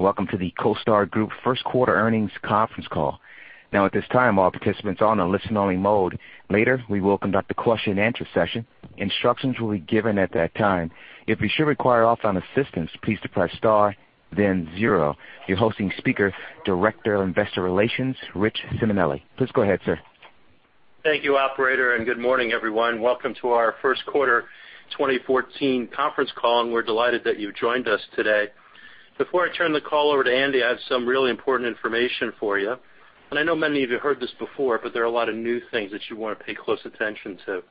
Welcome to the CoStar Group first quarter earnings conference call. At this time, all participants are on a listen only mode. Later, we will conduct a question and answer session. Instructions will be given at that time. If you should require operator assistance, please press star then zero. Your hosting speaker, Director of Investor Relations, Rich Simonelli. Please go ahead, sir. Thank you operator. Good morning everyone. Welcome to our first quarter 2014 conference call. We're delighted that you've joined us today. Before I turn the call over to Andy, I have some really important information for you. I know many of you heard this before, there are a lot of new things that you want to pay close attention to.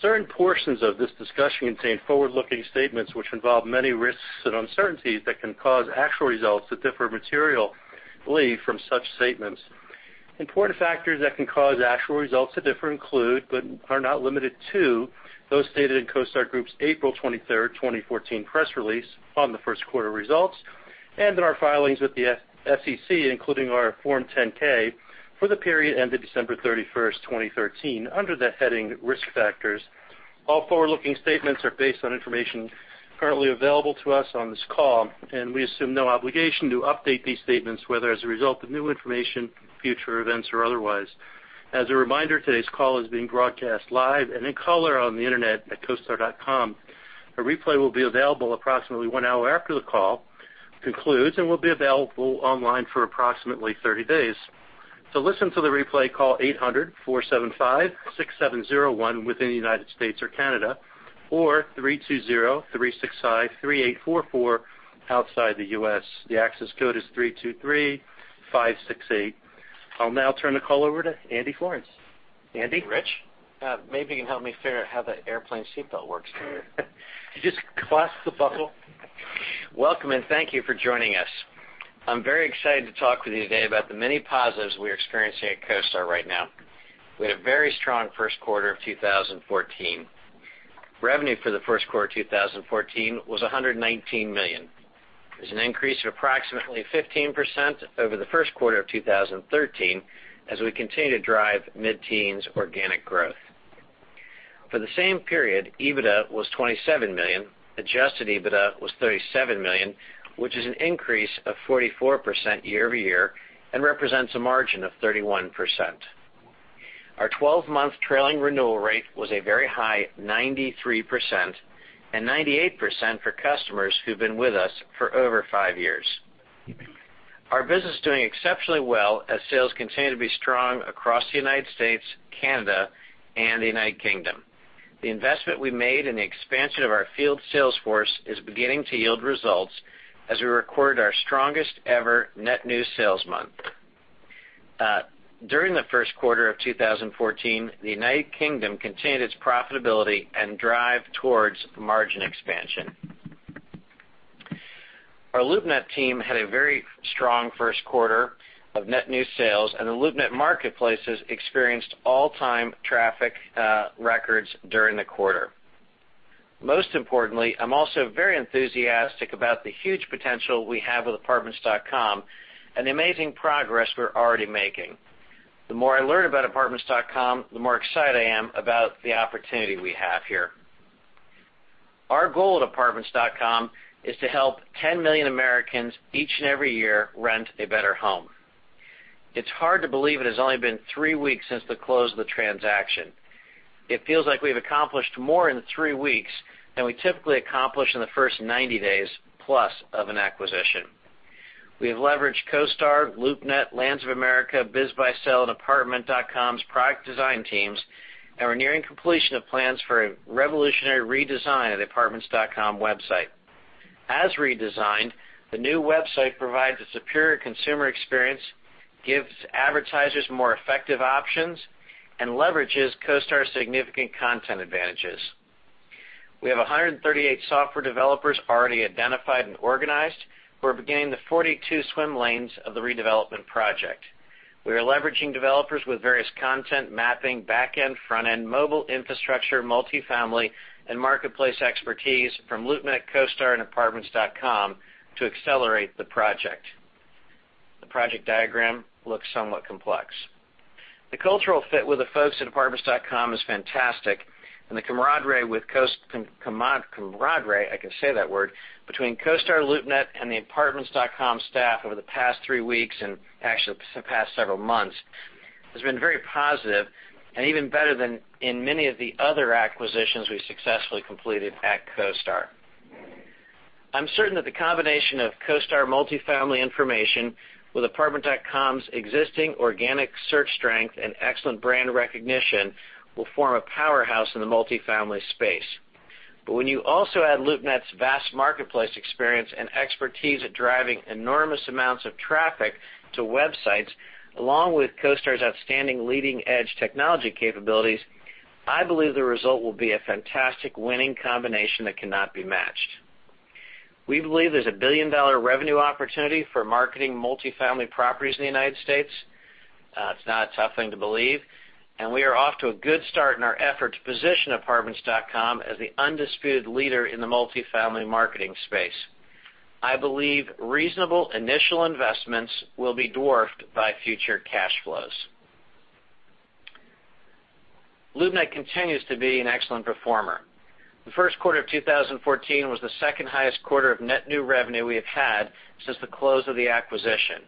Certain portions of this discussion contain forward-looking statements which involve many risks and uncertainties that can cause actual results to differ materially from such statements. Important factors that can cause actual results to differ include, but are not limited to, those stated in CoStar Group's April 23, 2014 press release on the first quarter results, and in our filings with the SEC, including our Form 10-K for the period ended December 31, 2013 under the heading Risk Factors. All forward-looking statements are based on information currently available to us on this call. We assume no obligation to update these statements, whether as a result of new information, future events, or otherwise. As a reminder, today's call is being broadcast live and in color on the internet at costar.com. A replay will be available approximately one hour after the call concludes and will be available online for approximately 30 days. To listen to the replay, call 800-475-6701 within the United States or Canada, or 320-365-3844 outside the U.S. The access code is 323568. I'll now turn the call over to Andy Florance. Andy? Rich. Maybe you can help me figure out how the airplane seatbelt works here. You just clasp the buckle. Welcome and thank you for joining us. I'm very excited to talk with you today about the many positives we're experiencing at CoStar right now. We had a very strong first quarter of 2014. Revenue for the first quarter of 2014 was $119 million. It was an increase of approximately 15% over the first quarter of 2013, as we continue to drive mid-teens organic growth. For the same period, EBITDA was $27 million. Adjusted EBITDA was $37 million, which is an increase of 44% year-over-year and represents a margin of 31%. Our 12-month trailing renewal rate was a very high 93% and 98% for customers who've been with us for over five years. Our business is doing exceptionally well as sales continue to be strong across the U.S., Canada, and the U.K. The investment we made in the expansion of our field sales force is beginning to yield results as we recorded our strongest ever net new sales month. During the first quarter of 2014, the U.K. continued its profitability and drive towards margin expansion. Our LoopNet team had a very strong first quarter of net new sales, and the LoopNet marketplaces experienced all-time traffic records during the quarter. Most importantly, I'm also very enthusiastic about the huge potential we have with Apartments.com and the amazing progress we're already making. The more I learn about Apartments.com, the more excited I am about the opportunity we have here. Our goal at Apartments.com is to help 10 million Americans each and every year rent a better home. It's hard to believe it has only been three weeks since the close of the transaction. It feels like we've accomplished more in the three weeks than we typically accomplish in the first 90 days plus of an acquisition. We have leveraged CoStar, LoopNet, Lands of America, BizBuySell, and Apartments.com's product design teams, and we're nearing completion of plans for a revolutionary redesign of the Apartments.com website. As redesigned, the new website provides a superior consumer experience, gives advertisers more effective options, and leverages CoStar's significant content advantages. We have 138 software developers already identified and organized who are beginning the 42 swim lanes of the redevelopment project. We are leveraging developers with various content mapping, back-end, front-end, mobile infrastructure, multifamily, and marketplace expertise from LoopNet, CoStar, and Apartments.com to accelerate the project. The project diagram looks somewhat complex. The cultural fit with the folks at Apartments.com is fantastic, and the camaraderie, I can say that word, between CoStar, LoopNet, and the Apartments.com staff over the past 3 weeks, and actually the past several months, has been very positive and even better than in many of the other acquisitions we've successfully completed at CoStar. I am certain that the combination of CoStar multifamily information with Apartments.com's existing organic search strength and excellent brand recognition will form a powerhouse in the multifamily space. When you also add LoopNet's vast marketplace experience and expertise at driving enormous amounts of traffic to websites, along with CoStar's outstanding leading-edge technology capabilities, I believe the result will be a fantastic winning combination that cannot be matched. We believe there's a billion-dollar revenue opportunity for marketing multifamily properties in the United States. It's not a tough thing to believe, and we are off to a good start in our effort to position Apartments.com as the undisputed leader in the multifamily marketing space. I believe reasonable initial investments will be dwarfed by future cash flows. LoopNet continues to be an excellent performer. The first quarter of 2014 was the second-highest quarter of net new revenue we have had since the close of the acquisition,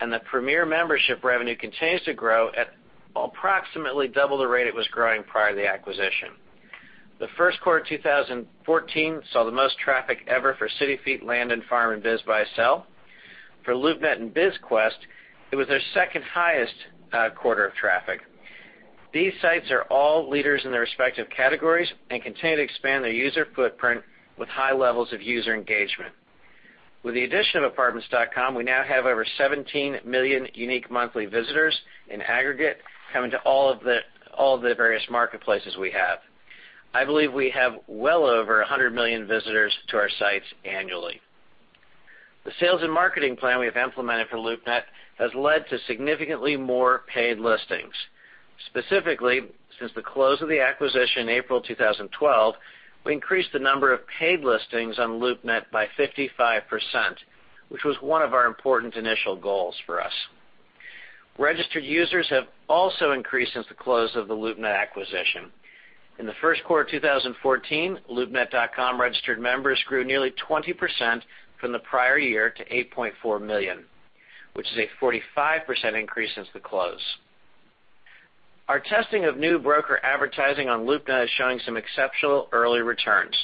and the Premier Membership revenue continues to grow at approximately double the rate it was growing prior to the acquisition. The first quarter of 2014 saw the most traffic ever for CityFeet, Land and Farm, and BizBuySell. For LoopNet and BizQuest, it was their second-highest quarter of traffic. These sites are all leaders in their respective categories and continue to expand their user footprint with high levels of user engagement. With the addition of Apartments.com, we now have over 17 million unique monthly visitors in aggregate coming to all of the various marketplaces we have. I believe we have well over 100 million visitors to our sites annually. The sales and marketing plan we've implemented for LoopNet has led to significantly more paid listings. Specifically, since the close of the acquisition in April 2012, we increased the number of paid listings on LoopNet by 55%, which was one of our important initial goals for us. Registered users have also increased since the close of the LoopNet acquisition. In the first quarter of 2014, loopnet.com registered members grew nearly 20% from the prior year to 8.4 million, which is a 45% increase since the close. Our testing of new broker advertising on LoopNet is showing some exceptional early returns.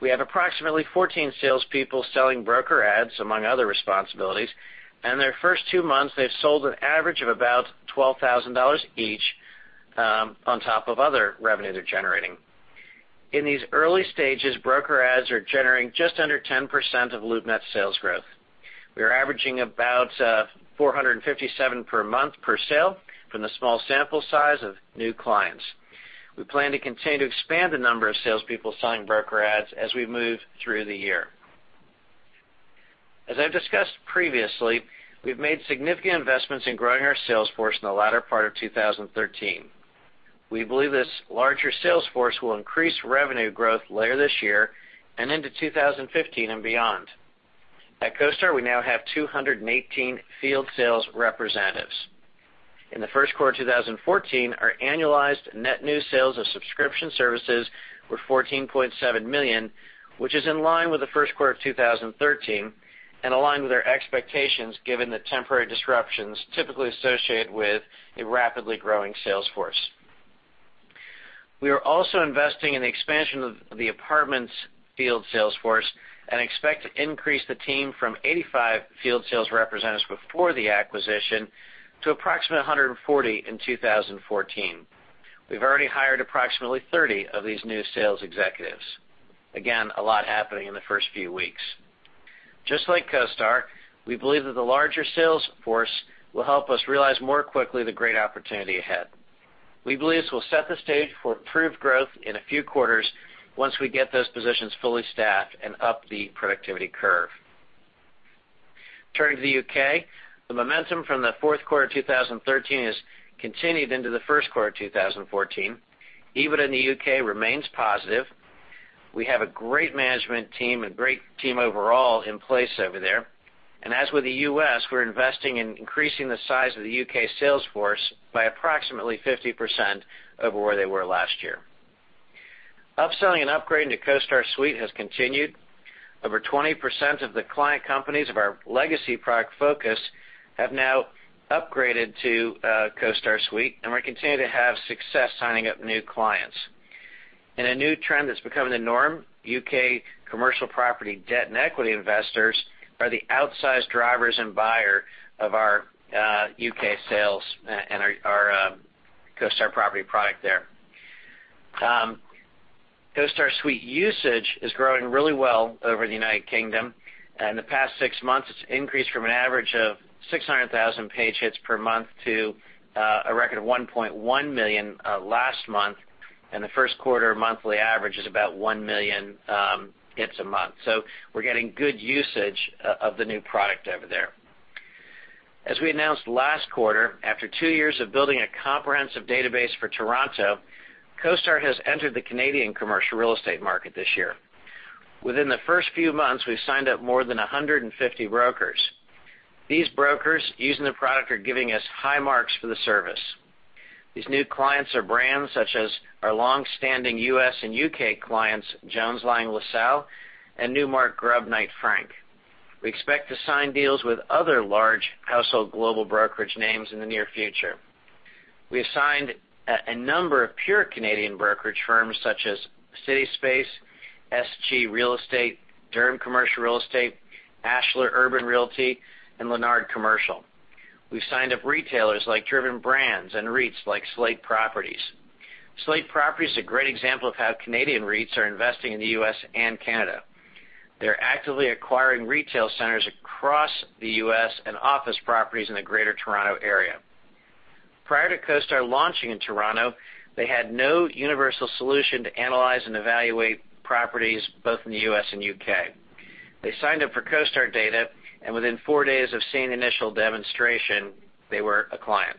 We have approximately 14 salespeople selling broker ads, among other responsibilities, and in their first 2 months, they've sold an average of about $12,000 each on top of other revenue they're generating. In these early stages, broker ads are generating just under 10% of LoopNet's sales growth. We are averaging about $457 per month per sale from the small sample size of new clients. We plan to continue to expand the number of salespeople selling broker ads as we move through the year. As I've discussed previously, we've made significant investments in growing our sales force in the latter part of 2013. We believe this larger sales force will increase revenue growth later this year and into 2015 and beyond. At CoStar, we now have 218 field sales representatives. In the first quarter of 2014, our annualized net new sales of subscription services were $14.7 million, which is in line with the first quarter of 2013 and aligned with our expectations given the temporary disruptions typically associated with a rapidly growing sales force. We are also investing in the expansion of the apartments field sales force and expect to increase the team from 85 field sales representatives before the acquisition to approximately 140 in 2014. We've already hired approximately 30 of these new sales executives. Again, a lot happening in the first few weeks. Just like CoStar, we believe that the larger sales force will help us realize more quickly the great opportunity ahead. We believe this will set the stage for improved growth in a few quarters once we get those positions fully staffed and up the productivity curve. Turning to the U.K., the momentum from the fourth quarter of 2013 has continued into the first quarter of 2014. Even in the U.K. remains positive. We have a great management team, a great team overall in place over there. As with the U.S., we're investing in increasing the size of the U.K. sales force by approximately 50% over where they were last year. Upselling and upgrading to CoStar Suite has continued. Over 20% of the client companies of our legacy product Focus have now upgraded to CoStar Suite, and we're continuing to have success signing up new clients. In a new trend that's becoming the norm, U.K. commercial property debt and equity investors are the outsized drivers and buyer of our U.K. sales and our CoStar property product there. CoStar Suite usage is growing really well over the United Kingdom, and in the past six months, it's increased from an average of 600,000 page hits per month to a record of 1.1 million last month, and the first quarter monthly average is about 1 million hits a month. We're getting good usage of the new product over there. As we announced last quarter, after two years of building a comprehensive database for Toronto, CoStar has entered the Canadian commercial real estate market this year. Within the first few months, we've signed up more than 150 brokers. These brokers using the product are giving us high marks for the service. These new clients are brands such as our longstanding U.S. and U.K. clients, Jones Lang LaSalle and Newmark Grubb Knight Frank. We expect to sign deals with other large household global brokerage names in the near future. We have signed a number of pure Canadian brokerage firms such as CitySpace, SG Real Estate, Durham Commercial Real Estate, Ashlar Urban Realty, and Lennard Commercial. We've signed up retailers like Driven Brands and REITs like Slate Properties. Slate Property is a great example of how Canadian REITs are investing in the U.S. and Canada. They're actively acquiring retail centers across the U.S. and office properties in the Greater Toronto Area. Prior to CoStar launching in Toronto, they had no universal solution to analyze and evaluate properties both in the U.S. and U.K. They signed up for CoStar data, and within four days of seeing the initial demonstration, they were a client.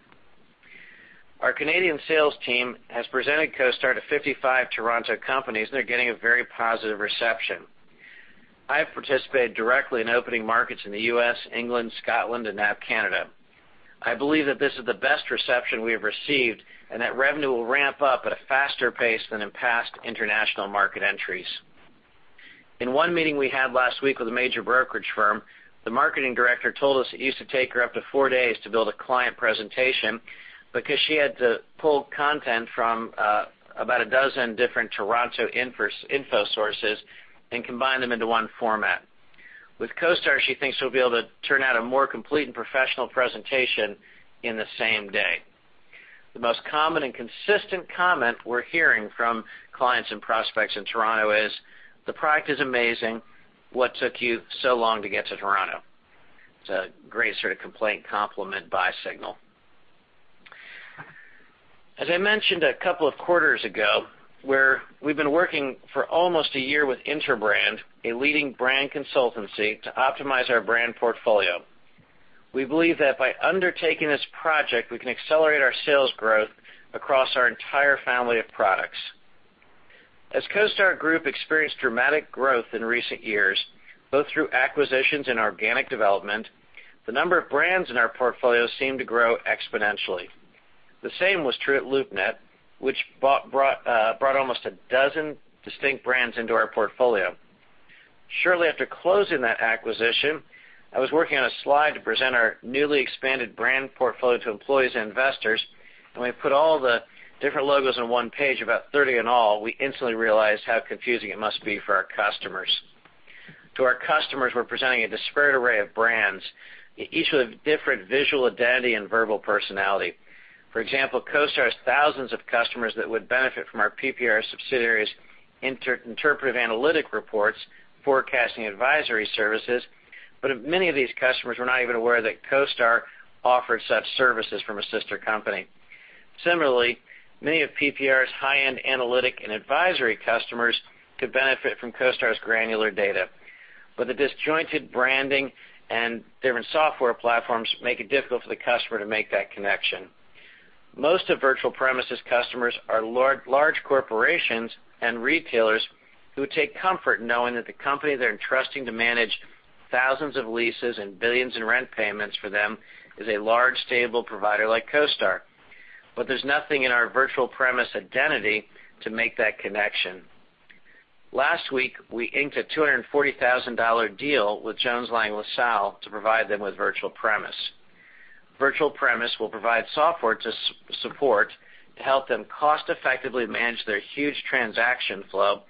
Our Canadian sales team has presented CoStar to 55 Toronto companies, and they're getting a very positive reception. I have participated directly in opening markets in the U.S., England, Scotland, and now Canada. I believe that this is the best reception we have received, and that revenue will ramp up at a faster pace than in past international market entries. In one meeting we had last week with a major brokerage firm, the marketing director told us it used to take her up to four days to build a client presentation because she had to pull content from about a dozen different Toronto info sources and combine them into one format. With CoStar, she thinks she'll be able to turn out a more complete and professional presentation in the same day. The most common and consistent comment we're hearing from clients and prospects in Toronto is, "The product is amazing. What took you so long to get to Toronto?" It's a great sort of complaint, compliment, buy signal. As I mentioned a couple of quarters ago, we've been working for almost a year with Interbrand, a leading brand consultancy, to optimize our brand portfolio. We believe that by undertaking this project, we can accelerate our sales growth across our entire family of products. As CoStar Group experienced dramatic growth in recent years, both through acquisitions and organic development, the number of brands in our portfolio seemed to grow exponentially. The same was true at LoopNet, which brought almost a dozen distinct brands into our portfolio. Shortly after closing that acquisition, I was working on a slide to present our newly expanded brand portfolio to employees and investors. We put all the different logos on one page, about 30 in all. We instantly realized how confusing it must be for our customers. To our customers, we're presenting a disparate array of brands, each with a different visual identity and verbal personality. For example, CoStar has thousands of customers that would benefit from our PPR subsidiaries interpretive analytic reports, forecasting advisory services. Many of these customers were not even aware that CoStar offered such services from a sister company. Similarly, many of PPR's high-end analytic and advisory customers could benefit from CoStar's granular data. The disjointed branding and different software platforms make it difficult for the customer to make that connection. Most of Virtual Premise's customers are large corporations and retailers who take comfort in knowing that the company they're entrusting to manage thousands of leases and billions in rent payments for them is a large, stable provider like CoStar. There's nothing in our Virtual Premise identity to make that connection. Last week, we inked a $240,000 deal with Jones Lang LaSalle to provide them with Virtual Premise. Virtual Premise will provide software to support to help them cost-effectively manage their huge transaction flow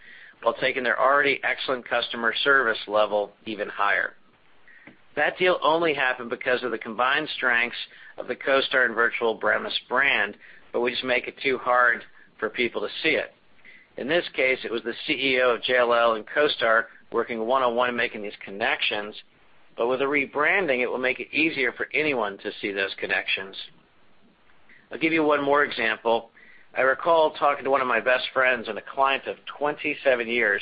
while taking their already excellent customer service level even higher. That deal only happened because of the combined strengths of the CoStar and Virtual Premise brand. We just make it too hard for people to see it. In this case, it was the CEO of JLL and CoStar working one-on-one and making these connections. With a rebranding, it will make it easier for anyone to see those connections. I'll give you one more example. I recall talking to one of my best friends and a client of 27 years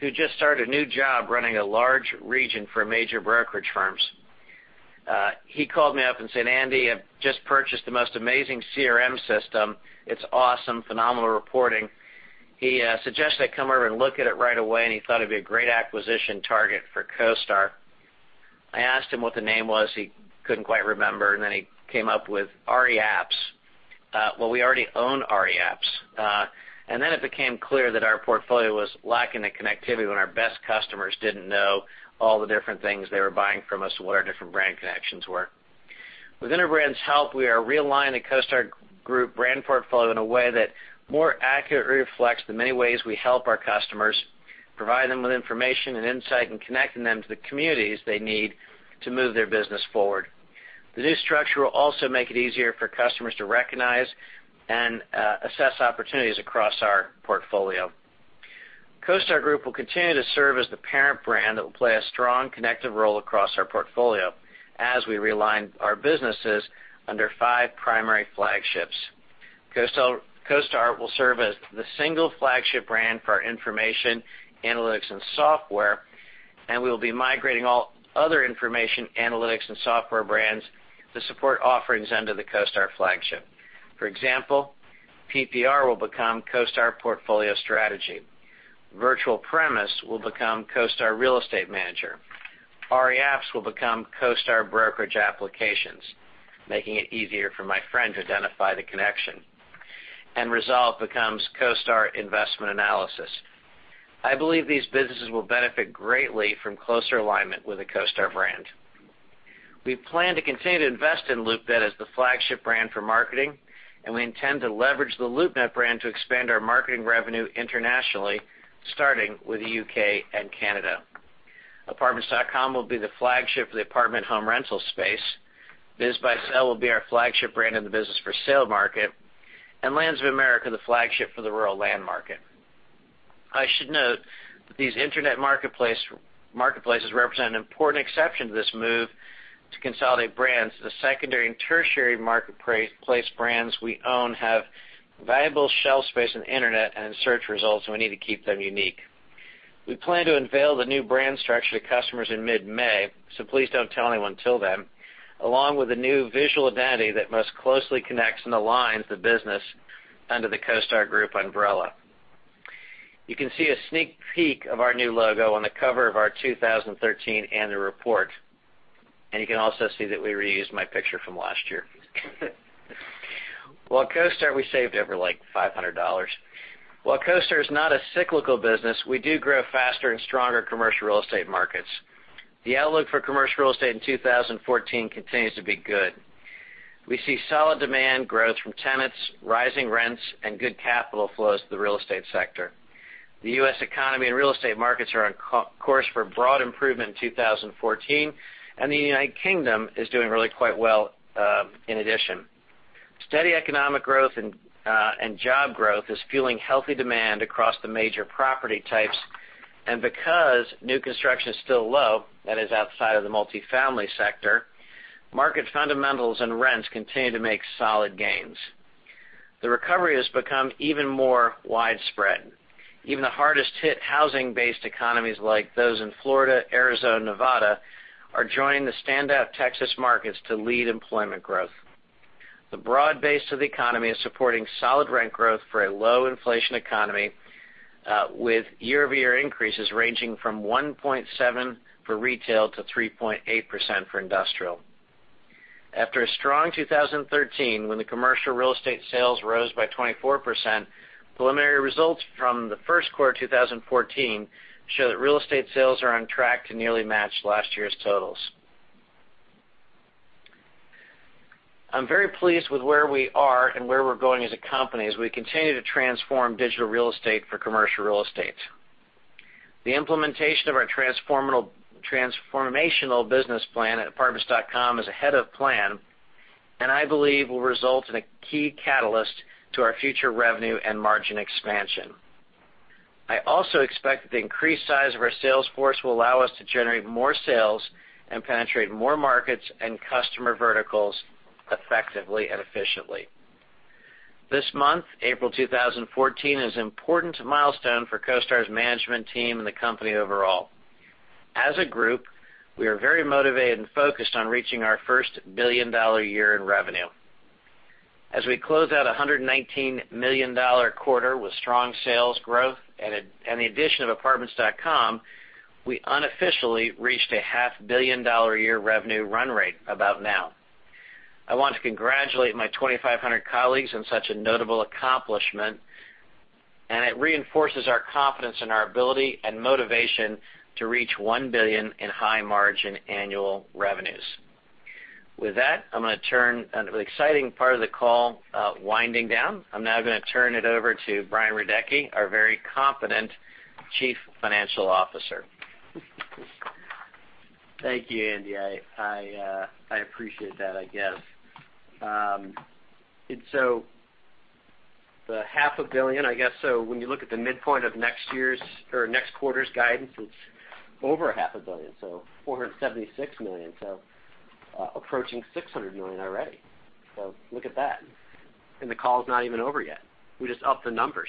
who just started a new job running a large region for major brokerage firms. He called me up and said, "Andy, I've just purchased the most amazing CRM system. It's awesome. Phenomenal reporting." He suggested I come over and look at it right away, and he thought it'd be a great acquisition target for CoStar. I asked him what the name was. He couldn't quite remember, then he came up with REApps. Well, we already own REApps. Then it became clear that our portfolio was lacking the connectivity when our best customers didn't know all the different things they were buying from us and what our different brand connections were. With Interbrand's help, we are realigning the CoStar Group brand portfolio in a way that more accurately reflects the many ways we help our customers, provide them with information and insight, and connecting them to the communities they need to move their business forward. The new structure will also make it easier for customers to recognize and assess opportunities across our portfolio. CoStar Group will continue to serve as the parent brand that will play a strong connective role across our portfolio as we realign our businesses under five primary flagships. CoStar will serve as the single flagship brand for our information, analytics, and software, and we will be migrating all other information, analytics, and software brands to support offerings under the CoStar flagship. For example, PPR will become CoStar Portfolio Strategy. Virtual Premise will become CoStar Real Estate Manager. REapps will become CoStar Brokerage Applications, making it easier for my friend to identify the connection. Resolve becomes CoStar Investment Analysis. I believe these businesses will benefit greatly from closer alignment with the CoStar brand. We plan to continue to invest in LoopNet as the flagship brand for marketing, and we intend to leverage the LoopNet brand to expand our marketing revenue internationally, starting with the U.K. and Canada. Apartments.com will be the flagship for the apartment and home rental space. BizBuySell will be our flagship brand in the business for sale market, and Lands of America, the flagship for the rural land market. I should note that these internet marketplaces represent an important exception to this move to consolidate brands. The secondary and tertiary marketplace brands we own have valuable shelf space on the internet and in search results, and we need to keep them unique. We plan to unveil the new brand structure to customers in mid-May, so please don't tell anyone till then, along with a new visual identity that most closely connects and aligns the business under the CoStar Group umbrella. You can see a sneak peek of our new logo on the cover of our 2013 annual report, and you can also see that we reused my picture from last year. Well, at CoStar, we saved over $500. While CoStar is not a cyclical business, we do grow faster in stronger commercial real estate markets. The outlook for commercial real estate in 2014 continues to be good. We see solid demand growth from tenants, rising rents, and good capital flows to the real estate sector. The U.S. economy and real estate markets are on course for broad improvement in 2014, and the United Kingdom is doing really quite well in addition. Steady economic growth and job growth is fueling healthy demand across the major property types. Because new construction is still low, that is outside of the multifamily sector, market fundamentals and rents continue to make solid gains. The recovery has become even more widespread. Even the hardest-hit housing-based economies like those in Florida, Arizona, and Nevada are joining the standout Texas markets to lead employment growth. The broad base of the economy is supporting solid rent growth for a low-inflation economy, with year-over-year increases ranging from 1.7% for retail to 3.8% for industrial. After a strong 2013, when the commercial real estate sales rose by 24%, preliminary results from the first quarter 2014 show that real estate sales are on track to nearly match last year's totals. I'm very pleased with where we are and where we're going as a company, as we continue to transform digital real estate for commercial real estate. The implementation of our transformational business plan at apartments.com is ahead of plan and I believe will result in a key catalyst to our future revenue and margin expansion. I also expect that the increased size of our sales force will allow us to generate more sales and penetrate more markets and customer verticals effectively and efficiently. This month, April 2014, is an important milestone for CoStar's management team and the company overall. As a group, we are very motivated and focused on reaching our first billion-dollar year in revenue. As we close out $119 million quarter with strong sales growth and the addition of apartments.com, we unofficially reached a half-billion-dollar a year revenue run rate about now. I want to congratulate my 2,500 colleagues on such a notable accomplishment, and it reinforces our confidence in our ability and motivation to reach $1 billion in high-margin annual revenues. With that, with the exciting part of the call winding down, I'm now going to turn it over to Brian Radecki, our very competent Chief Financial Officer. Thank you, Andy. I appreciate that, I guess. The half a billion, I guess, so when you look at the midpoint of next year's or next quarter's guidance, it's over a half a billion, so $476 million. Approaching $600 million already. The call's not even over yet. We just up the numbers.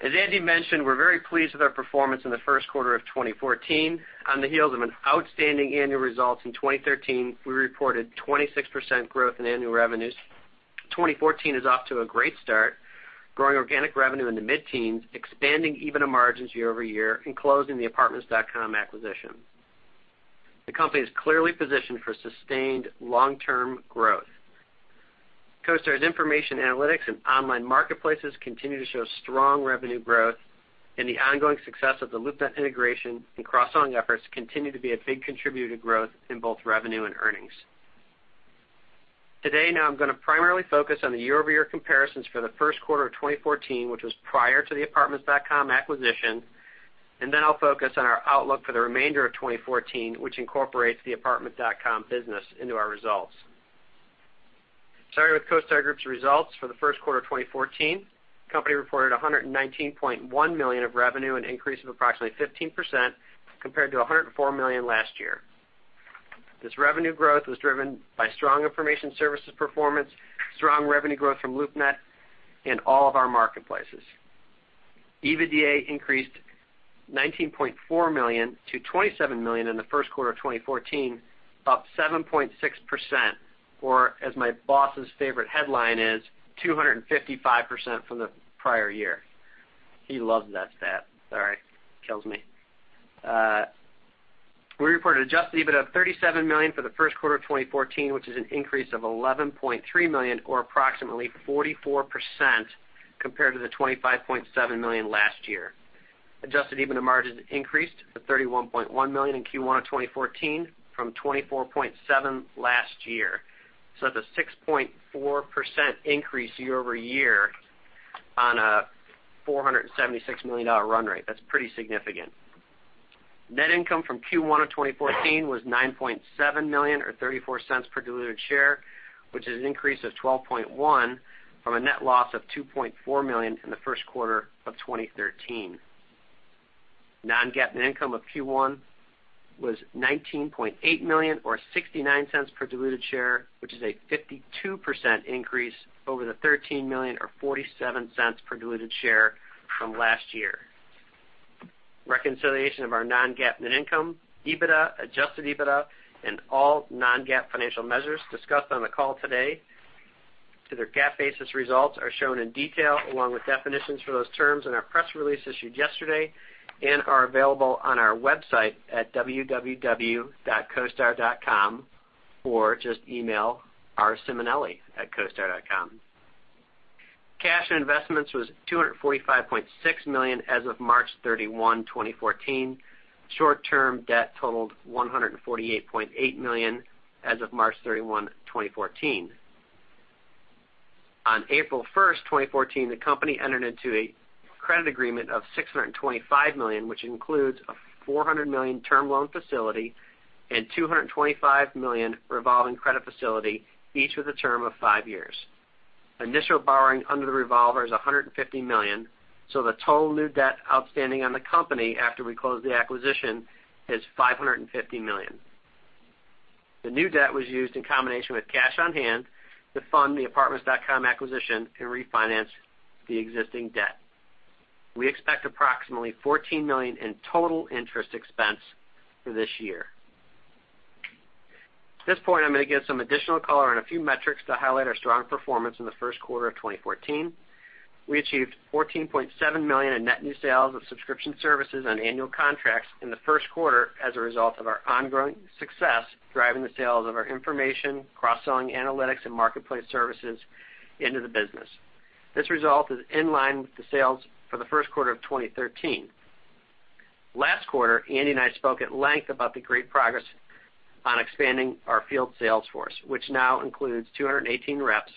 As Andy mentioned, we're very pleased with our performance in the first quarter of 2014. On the heels of an outstanding annual result in 2013, we reported 26% growth in annual revenues. 2014 is off to a great start, growing organic revenue in the mid-teens, expanding EBITDA margins year-over-year, and closing the apartments.com acquisition. The company is clearly positioned for sustained long-term growth. CoStar's information analytics and online marketplaces continue to show strong revenue growth, and the ongoing success of the LoopNet integration and cross-selling efforts continue to be a big contributor to growth in both revenue and earnings. Today, now I'm going to primarily focus on the year-over-year comparisons for the first quarter of 2014, which was prior to the apartments.com acquisition, and then I'll focus on our outlook for the remainder of 2014, which incorporates the apartments.com business into our results. Starting with CoStar Group's results for the first quarter of 2014. The company reported $119.1 million of revenue, an increase of approximately 15% compared to $104 million last year. This revenue growth was driven by strong information services performance, strong revenue growth from LoopNet in all of our marketplaces. EBITDA increased $19.4 million to $27 million in the first quarter of 2014, up 7.6%, or as my boss's favorite headline is, 255% from the prior year. He loves that stat. Sorry. Kills me. We reported adjusted EBITDA of $37 million for the first quarter of 2014, which is an increase of $11.3 million or approximately 44% compared to the $25.7 million last year. Adjusted EBITDA margins increased to $31.1 million in Q1 of 2014 from $24.7 last year. That's a 6.4% increase year-over-year on a $476 million run rate. That's pretty significant. Net income from Q1 of 2014 was $9.7 million or $0.34 per diluted share, which is an increase of $12.1 million from a net loss of $2.4 million in the first quarter of 2013. Non-GAAP net income of Q1 was $19.8 million or $0.69 per diluted share, which is a 52% increase over the $13 million or $0.47 per diluted share from last year. Reconciliation of our non-GAAP net income, EBITDA, adjusted EBITDA, and all non-GAAP financial measures discussed on the call today to their GAAP basis results are shown in detail along with definitions for those terms in our press release issued yesterday, and are available on our website at www.costar.com, or just email rsimonelli@costar.com. Cash and investments was $245.6 million as of March 31, 2014. Short-term debt totaled $148.8 million as of March 31, 2014. On April 1st, 2014, the company entered into a credit agreement of $625 million, which includes a $400 million term loan facility and $225 million revolving credit facility, each with a term of five years. Initial borrowing under the revolver is $150 million. The total new debt outstanding on the company after we close the acquisition is $550 million. The new debt was used in combination with cash on hand to fund the Apartments.com acquisition and refinance the existing debt. We expect approximately $14 million in total interest expense for this year. At this point, I'm going to give some additional color on a few metrics to highlight our strong performance in the first quarter of 2014. We achieved $14.7 million in net new sales of subscription services on annual contracts in the first quarter as a result of our ongoing success driving the sales of our information, cross-selling analytics, and marketplace services into the business. This result is in line with the sales for the first quarter of 2013. Last quarter, Andy and I spoke at length about the great progress on expanding our field sales force, which now includes 218 reps,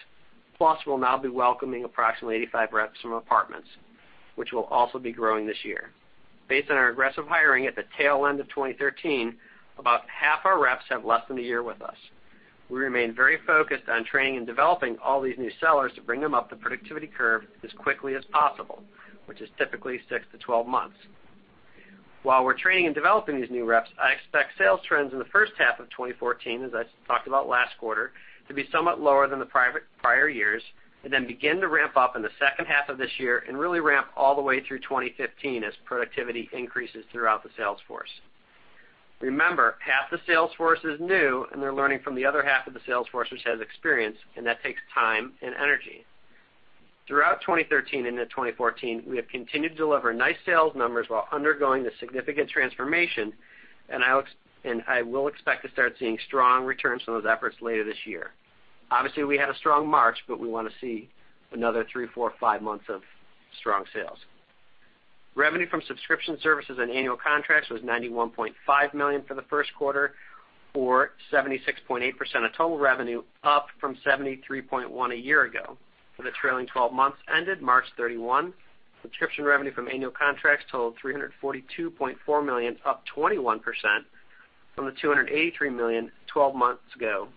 plus we'll now be welcoming approximately 85 reps from Apartments, which will also be growing this year. Based on our aggressive hiring at the tail end of 2013, about half our reps have less than a year with us. We remain very focused on training and developing all these new sellers to bring them up the productivity curve as quickly as possible, which is typically six to 12 months. While we're training and developing these new reps, I expect sales trends in the first half of 2014, as I talked about last quarter, to be somewhat lower than the prior years, and then begin to ramp up in the second half of this year and really ramp all the way through 2015 as productivity increases throughout the sales force. Remember, half the sales force is new, and they're learning from the other half of the sales force, which has experience, and that takes time and energy. Throughout 2013 into 2014, we have continued to deliver nice sales numbers while undergoing this significant transformation, and I will expect to start seeing strong returns from those efforts later this year. Obviously, we had a strong March. We want to see another three, four, five months of strong sales. Revenue from subscription services and annual contracts was $91.5 million for the first quarter, or 76.8% of total revenue, up from 73.1% a year ago. For the trailing 12 months ended March 31, subscription revenue from annual contracts totaled $342.4 million, up 21% from the $283 million 12 months ago,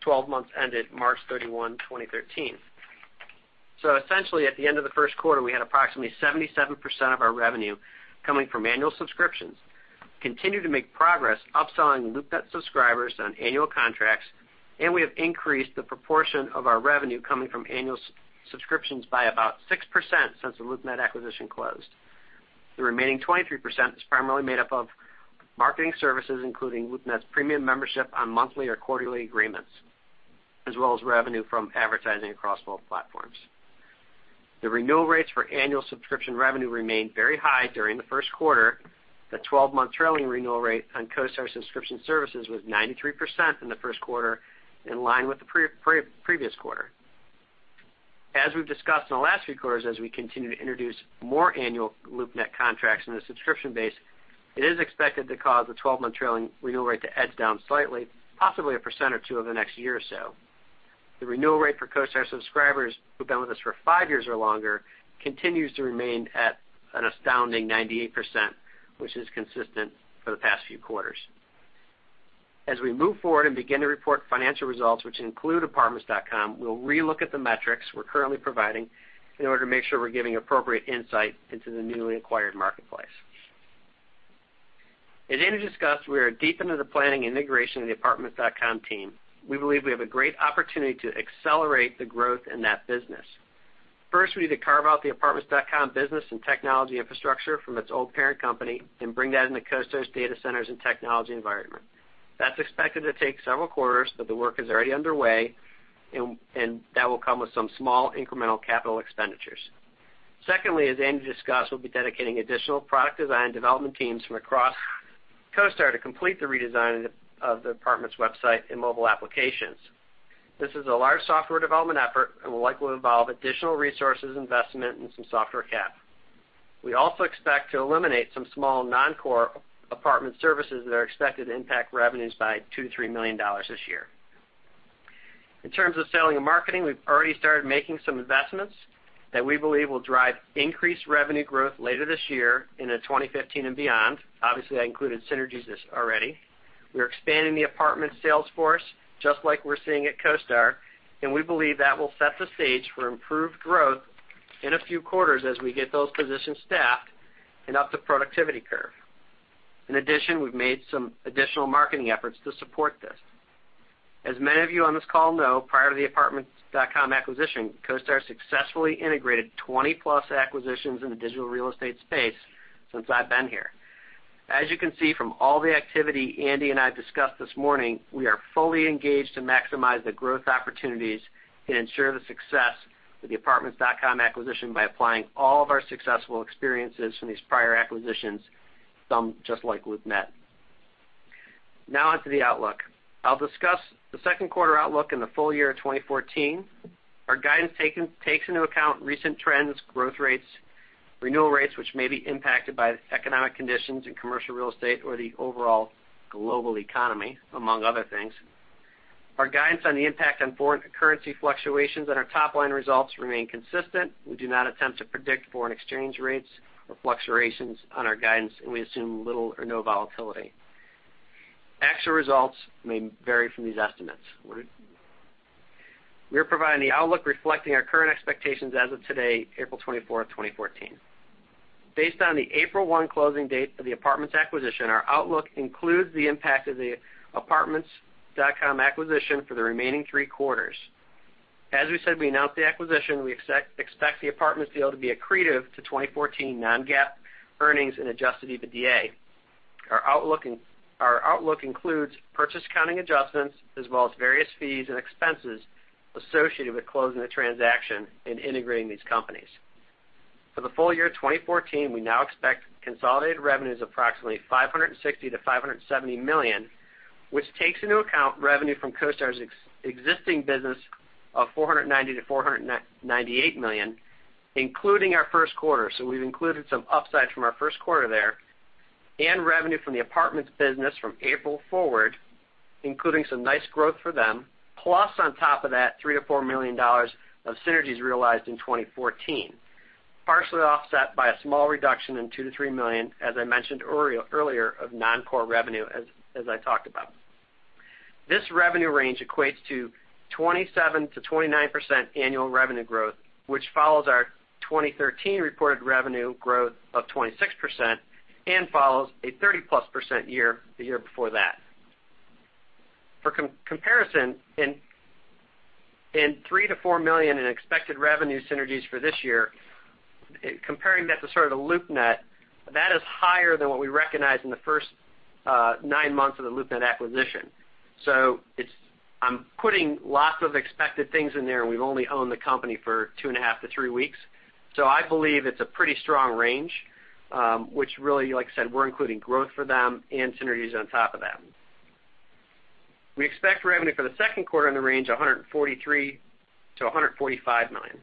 12 months ended March 31, 2013. Essentially, at the end of the first quarter, we had approximately 77% of our revenue coming from annual subscriptions. Continue to make progress upselling LoopNet subscribers on annual contracts. We have increased the proportion of our revenue coming from annual subscriptions by about 6% since the LoopNet acquisition closed. The remaining 23% is primarily made up of marketing services, including LoopNet's Premier Membership on monthly or quarterly agreements, as well as revenue from advertising across both platforms. The renewal rates for annual subscription revenue remained very high during the first quarter. The 12-month trailing renewal rate on CoStar subscription services was 93% in the first quarter, in line with the previous quarter. As we've discussed in the last few quarters, as we continue to introduce more annual LoopNet contracts in the subscription base, it is expected to cause a 12-month trailing renewal rate to edge down slightly, possibly 1% or 2% over the next year or so. The renewal rate for CoStar subscribers who've been with us for five years or longer continues to remain at an astounding 98%, which is consistent for the past few quarters. As we move forward and begin to report financial results which include apartments.com, we'll re-look at the metrics we're currently providing in order to make sure we're giving appropriate insight into the newly acquired marketplace. As Andy discussed, we are deep into the planning integration of the apartments.com team. We believe we have a great opportunity to accelerate the growth in that business. First, we need to carve out the apartments.com business and technology infrastructure from its old parent company and bring that into CoStar's data centers and technology environment. That's expected to take several quarters, but the work is already underway, and that will come with some small incremental capital expenditures. Secondly, as Andy discussed, we'll be dedicating additional product design and development teams from across CoStar to complete the redesign of the apartments website and mobile applications. This is a large software development effort and will likely involve additional resources, investment, and some software cap. We also expect to eliminate some small non-core apartment services that are expected to impact revenues by $2 million-$3 million this year. In terms of selling and marketing, we've already started making some investments that we believe will drive increased revenue growth later this year into 2015 and beyond. Obviously, that included synergies already. We're expanding the apartment sales force, just like we're seeing at CoStar, and we believe that will set the stage for improved growth in a few quarters as we get those positions staffed and up the productivity curve. In addition, we've made some additional marketing efforts to support this. As many of you on this call know, prior to the Apartments.com acquisition, CoStar successfully integrated 20-plus acquisitions in the digital real estate space since I've been here. As you can see from all the activity Andy and I discussed this morning, we are fully engaged to maximize the growth opportunities and ensure the success of the Apartments.com acquisition by applying all of our successful experiences from these prior acquisitions, some just like LoopNet. Now on to the outlook. I'll discuss the second quarter outlook and the full year 2014. Our guidance takes into account recent trends, growth rates, renewal rates, which may be impacted by the economic conditions in commercial real estate or the overall global economy, among other things. Our guidance on the impact on foreign currency fluctuations on our top-line results remain consistent. We do not attempt to predict foreign exchange rates or fluctuations on our guidance, and we assume little or no volatility. Actual results may vary from these estimates. We are providing the outlook reflecting our current expectations as of today, April 24th, 2014. Based on the April 1 closing date of the Apartments acquisition, our outlook includes the impact of the Apartments.com acquisition for the remaining three quarters. As we said when we announced the acquisition, we expect the Apartments deal to be accretive to 2014 non-GAAP earnings and adjusted EBITDA. Our outlook includes purchase accounting adjustments, as well as various fees and expenses associated with closing the transaction and integrating these companies. For the full year 2014, we now expect consolidated revenues of approximately $560 million-$570 million, which takes into account revenue from CoStar's existing business of $490 million-$498 million, including our first quarter. We've included some upside from our first quarter there and revenue from the Apartments business from April forward, including some nice growth for them. Plus, on top of that, $3 million-$4 million of synergies realized in 2014, partially offset by a small reduction in $2 million-$3 million, as I mentioned earlier, of non-core revenue, as I talked about. This revenue range equates to 27%-29% annual revenue growth, which follows our 2013 reported revenue growth of 26% and follows a 30-plus percent year the year before that. For comparison, in $3 million-$4 million in expected revenue synergies for this year, comparing that to sort of the LoopNet, that is higher than what we recognized in the first nine months of the LoopNet acquisition. I'm putting lots of expected things in there, and we've only owned the company for two and a half to three weeks. I believe it's a pretty strong range, which really, like I said, we're including growth for them and synergies on top of that. We expect revenue for the second quarter in the range of $143 million-$145 million.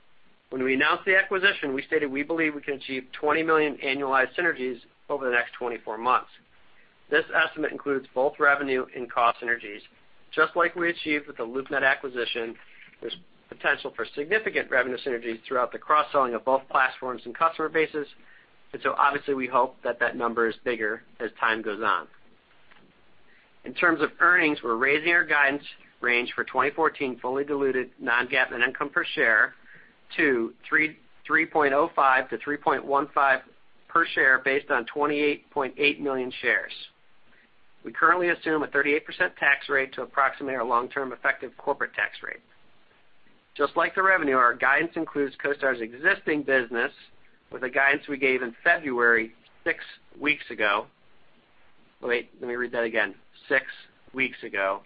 When we announced the acquisition, we stated we believe we can achieve $20 million annualized synergies over the next 24 months. This estimate includes both revenue and cost synergies. Just like we achieved with the LoopNet acquisition, there's potential for significant revenue synergies throughout the cross-selling of both platforms and customer bases. Obviously, we hope that that number is bigger as time goes on. In terms of earnings, we're raising our guidance range for 2014 fully diluted non-GAAP net income per share to $3.05-$3.15 per share based on 28.8 million shares. We currently assume a 38% tax rate to approximate our long-term effective corporate tax rate. Just like the revenue, our guidance includes CoStar's existing business with the guidance we gave in February, six weeks ago. Wait, let me read that again. Six weeks ago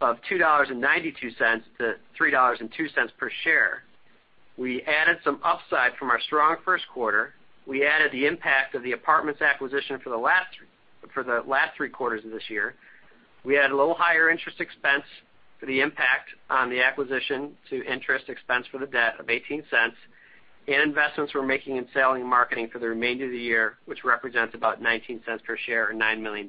of $2.92 to $3.02 per share. We added some upside from our strong first quarter. We added the impact of the Apartments acquisition for the last three quarters of this year. We add a little higher interest expense for the impact on the acquisition to interest expense for the debt of $0.18, and investments we're making in selling and marketing for the remainder of the year, which represents about $0.19 per share or $9 million.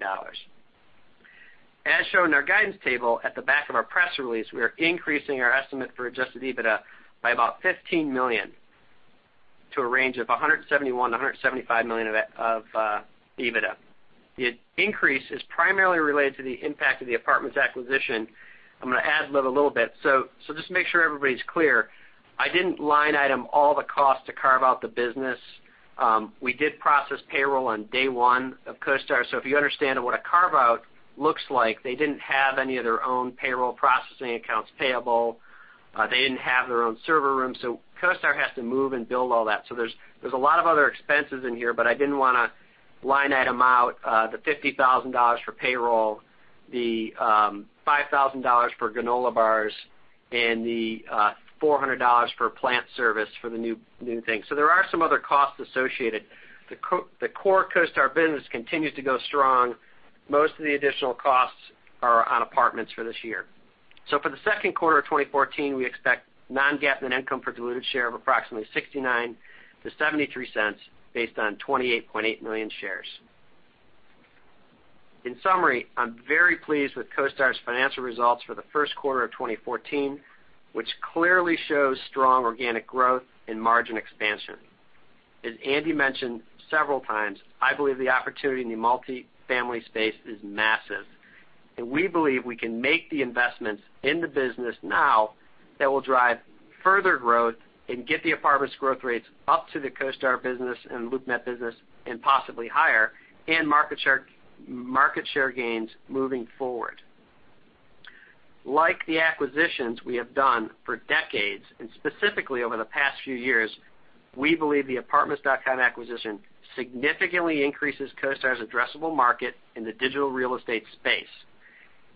As shown in our guidance table at the back of our press release, we are increasing our estimate for adjusted EBITDA by about $15 million to a range of $171 million-$175 million of EBITDA. The increase is primarily related to the impact of the Apartments acquisition. I'm going to add a little bit. Just to make sure everybody's clear, I didn't line item all the costs to carve out the business. We did process payroll on day one of CoStar. If you understand what a carve-out looks like, they didn't have any of their own payroll processing accounts payable. They didn't have their own server room. CoStar has to move and build all that. There's a lot of other expenses in here, but I didn't want to line item out the $50,000 for payroll, the $5,000 for granola bars, and the $400 for plant service for the new thing. There are some other costs associated. The core CoStar business continues to go strong. Most of the additional costs are on Apartments for this year. For the second quarter of 2014, we expect non-GAAP net income per diluted share of approximately $0.69-$0.73 based on 28.8 million shares. In summary, I'm very pleased with CoStar's financial results for the first quarter of 2014, which clearly shows strong organic growth and margin expansion. As Andy mentioned several times, I believe the opportunity in the multifamily space is massive. We believe we can make the investments in the business now that will drive further growth and get the Apartments growth rates up to the CoStar business and LoopNet business and possibly higher in market share gains moving forward. Like the acquisitions we have done for decades, and specifically over the past few years, we believe the Apartments.com acquisition significantly increases CoStar's addressable market in the digital real estate space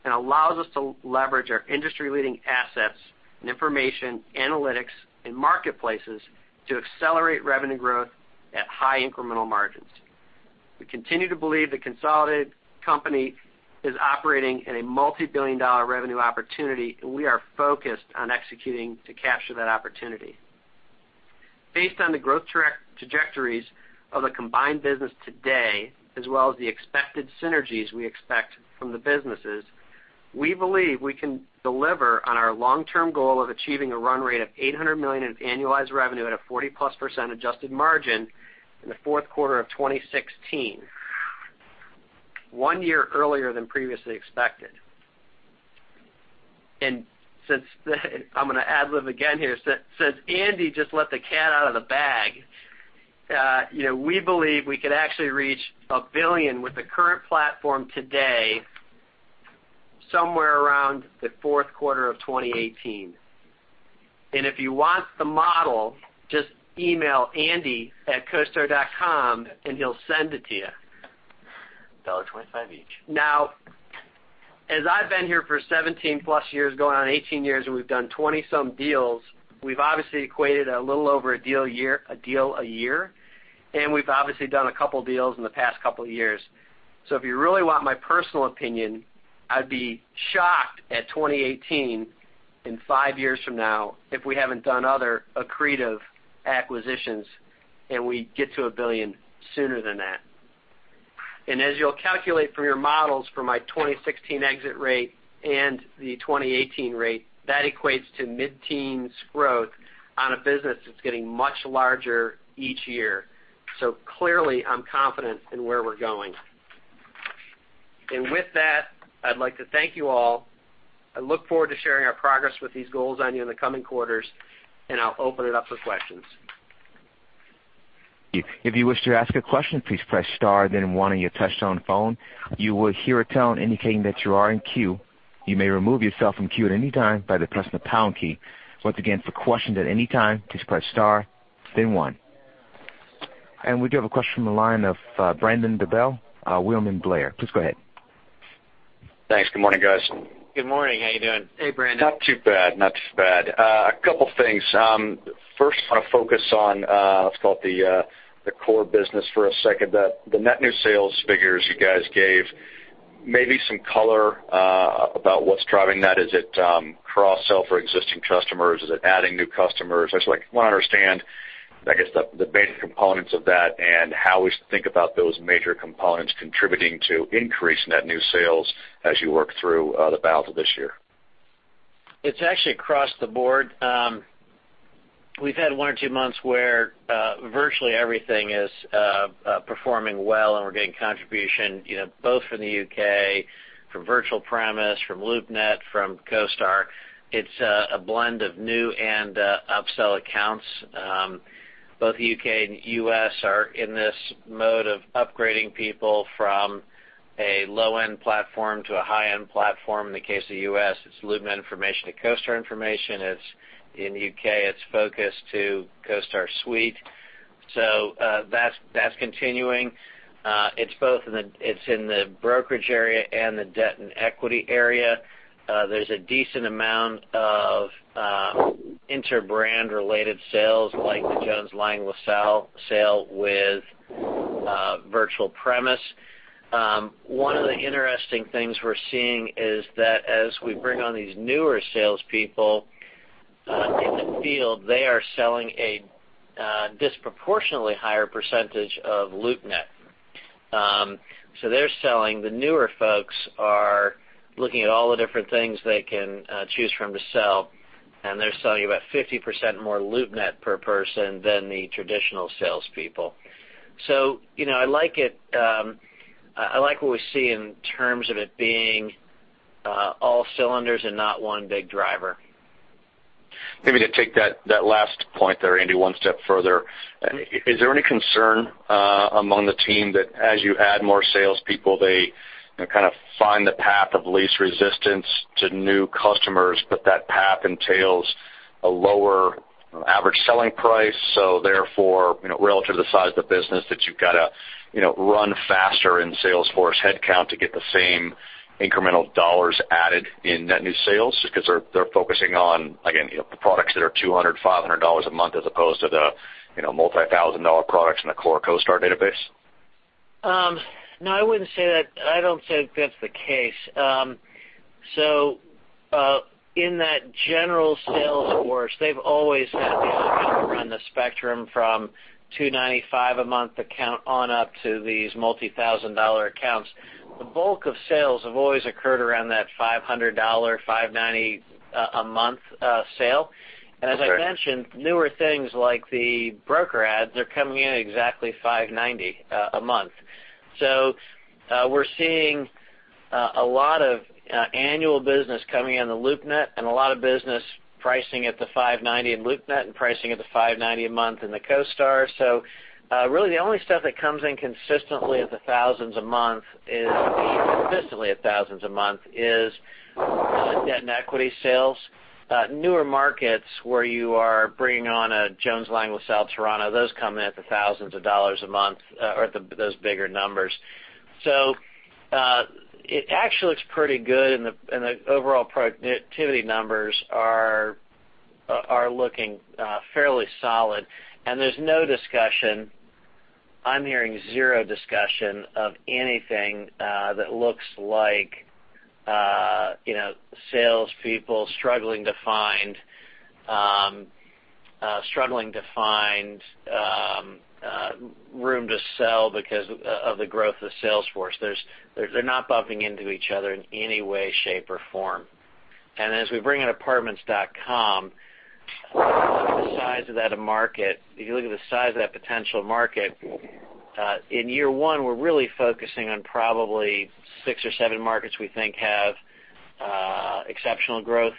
and allows us to leverage our industry-leading assets and information analytics and marketplaces to accelerate revenue growth at high incremental margins. We continue to believe the consolidated company is operating in a multi-billion dollar revenue opportunity, and we are focused on executing to capture that opportunity. Based on the growth trajectories of the combined business today, as well as the expected synergies we expect from the businesses, we believe we can deliver on our long-term goal of achieving a run rate of $800 million in annualized revenue at a 40-plus % adjusted margin in the fourth quarter of 2016, one year earlier than previously expected. Since I'm going to ad-lib again here, since Andy just let the cat out of the bag, we believe we could actually reach a billion with the current platform today, somewhere around the fourth quarter of 2018. If you want the model, just email andy@costar.com and he'll send it to you. $1.25 each. Now, as I've been here for 17-plus years, going on 18 years, and we've done 20-some deals, we've obviously equated a little over a deal a year, and we've obviously done a couple deals in the past couple years. If you really want my personal opinion, I'd be shocked at 2018, in five years from now, if we haven't done other accretive acquisitions, and we get to a billion sooner than that. As you'll calculate from your models for my 2016 exit rate and the 2018 rate, that equates to mid-teens growth on a business that's getting much larger each year. Clearly, I'm confident in where we're going. With that, I'd like to thank you all. I look forward to sharing our progress with these goals on you in the coming quarters, and I'll open it up for questions. If you wish to ask a question, please press star then one on your touch tone phone. You will hear a tone indicating that you are in queue. You may remove yourself from queue at any time by pressing the pound key. Once again, for questions at any time, please press star then one. We do have a question on the line of Brandon Dobell, William Blair. Please go ahead. Thanks. Good morning, guys. Good morning. How you doing? Hey, Brandon. Not too bad. A couple things. First, I want to focus on, let's call it the core business for a second. The net new sales figures you guys gave, maybe some color about what's driving that? Is it cross-sell for existing customers? Is it adding new customers? I just want to understand, I guess, the basic components of that and how we should think about those major components contributing to increasing net new sales as you work through the balance of this year. It's actually across the board. We've had one or two months where virtually everything is performing well, and we're getting contribution both from the U.K., from Virtual Premise, from LoopNet, from CoStar. It's a blend of new and upsell accounts. Both U.K. and U.S. are in this mode of upgrading people from a low-end platform to a high-end platform. In the case of U.S., it's LoopNet information to CoStar information. In the U.K., it's Focus to CoStar Suite. That's continuing. It's in the brokerage area and the debt and equity area. There's a decent amount of inter-brand related sales, like the Jones Lang LaSalle sale with Virtual Premise. One of the interesting things we're seeing is that as we bring on these newer salespeople in the field, they are selling a disproportionately higher percentage of LoopNet. The newer folks are looking at all the different things they can choose from to sell, and they're selling about 50% more LoopNet per person than the traditional salespeople. I like what we see in terms of it being all cylinders and not one big driver. Maybe to take that last point there, Andy, one step further. Is there any concern among the team that as you add more salespeople, they kind of find the path of least resistance to new customers, but that path entails a lower average selling price, so therefore, relative to the size of the business, that you've got to run faster in sales force headcount to get the same incremental dollars added in net new sales because they're focusing on, again, the products that are $200, $500 a month as opposed to the multi-thousand dollar products in the core CoStar database? No, I wouldn't say that. I don't think that's the case. In that general sales force, they've always had the ability to run the spectrum from $295 a month account on up to these multi-thousand dollar accounts. The bulk of sales have always occurred around that $500, $590 a month sale. As I mentioned, newer things like the broker ads are coming in at exactly $590 a month. Really a lot of annual business coming in the LoopNet and a lot of business pricing at the $590 in LoopNet and pricing at the $590 a month in the CoStar. The only stuff that comes in consistently at the $thousands a month is debt and equity sales. Newer markets where you are bringing on a Jones Lang LaSalle, Toronto, those come in at the $thousands of dollars a month, or at those bigger numbers. It actually looks pretty good, and the overall productivity numbers are looking fairly solid. There's no discussion, I'm hearing zero discussion of anything that looks like salespeople struggling to find room to sell because of the growth of the sales force. They're not bumping into each other in any way, shape, or form. As we bring in apartments.com, if you look at the size of that potential market, in year one, we're really focusing on probably six or seven markets we think have exceptional growth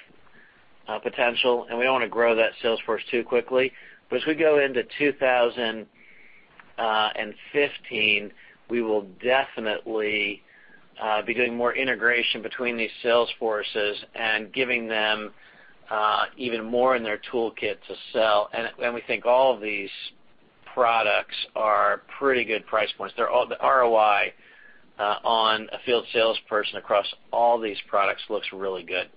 potential, and we don't want to grow that sales force too quickly. As we go into 2015, we will definitely be doing more integration between these sales forces and giving them even more in their toolkit to sell. We think all of these products are pretty good price points. The ROI on a field salesperson across all these products looks really good.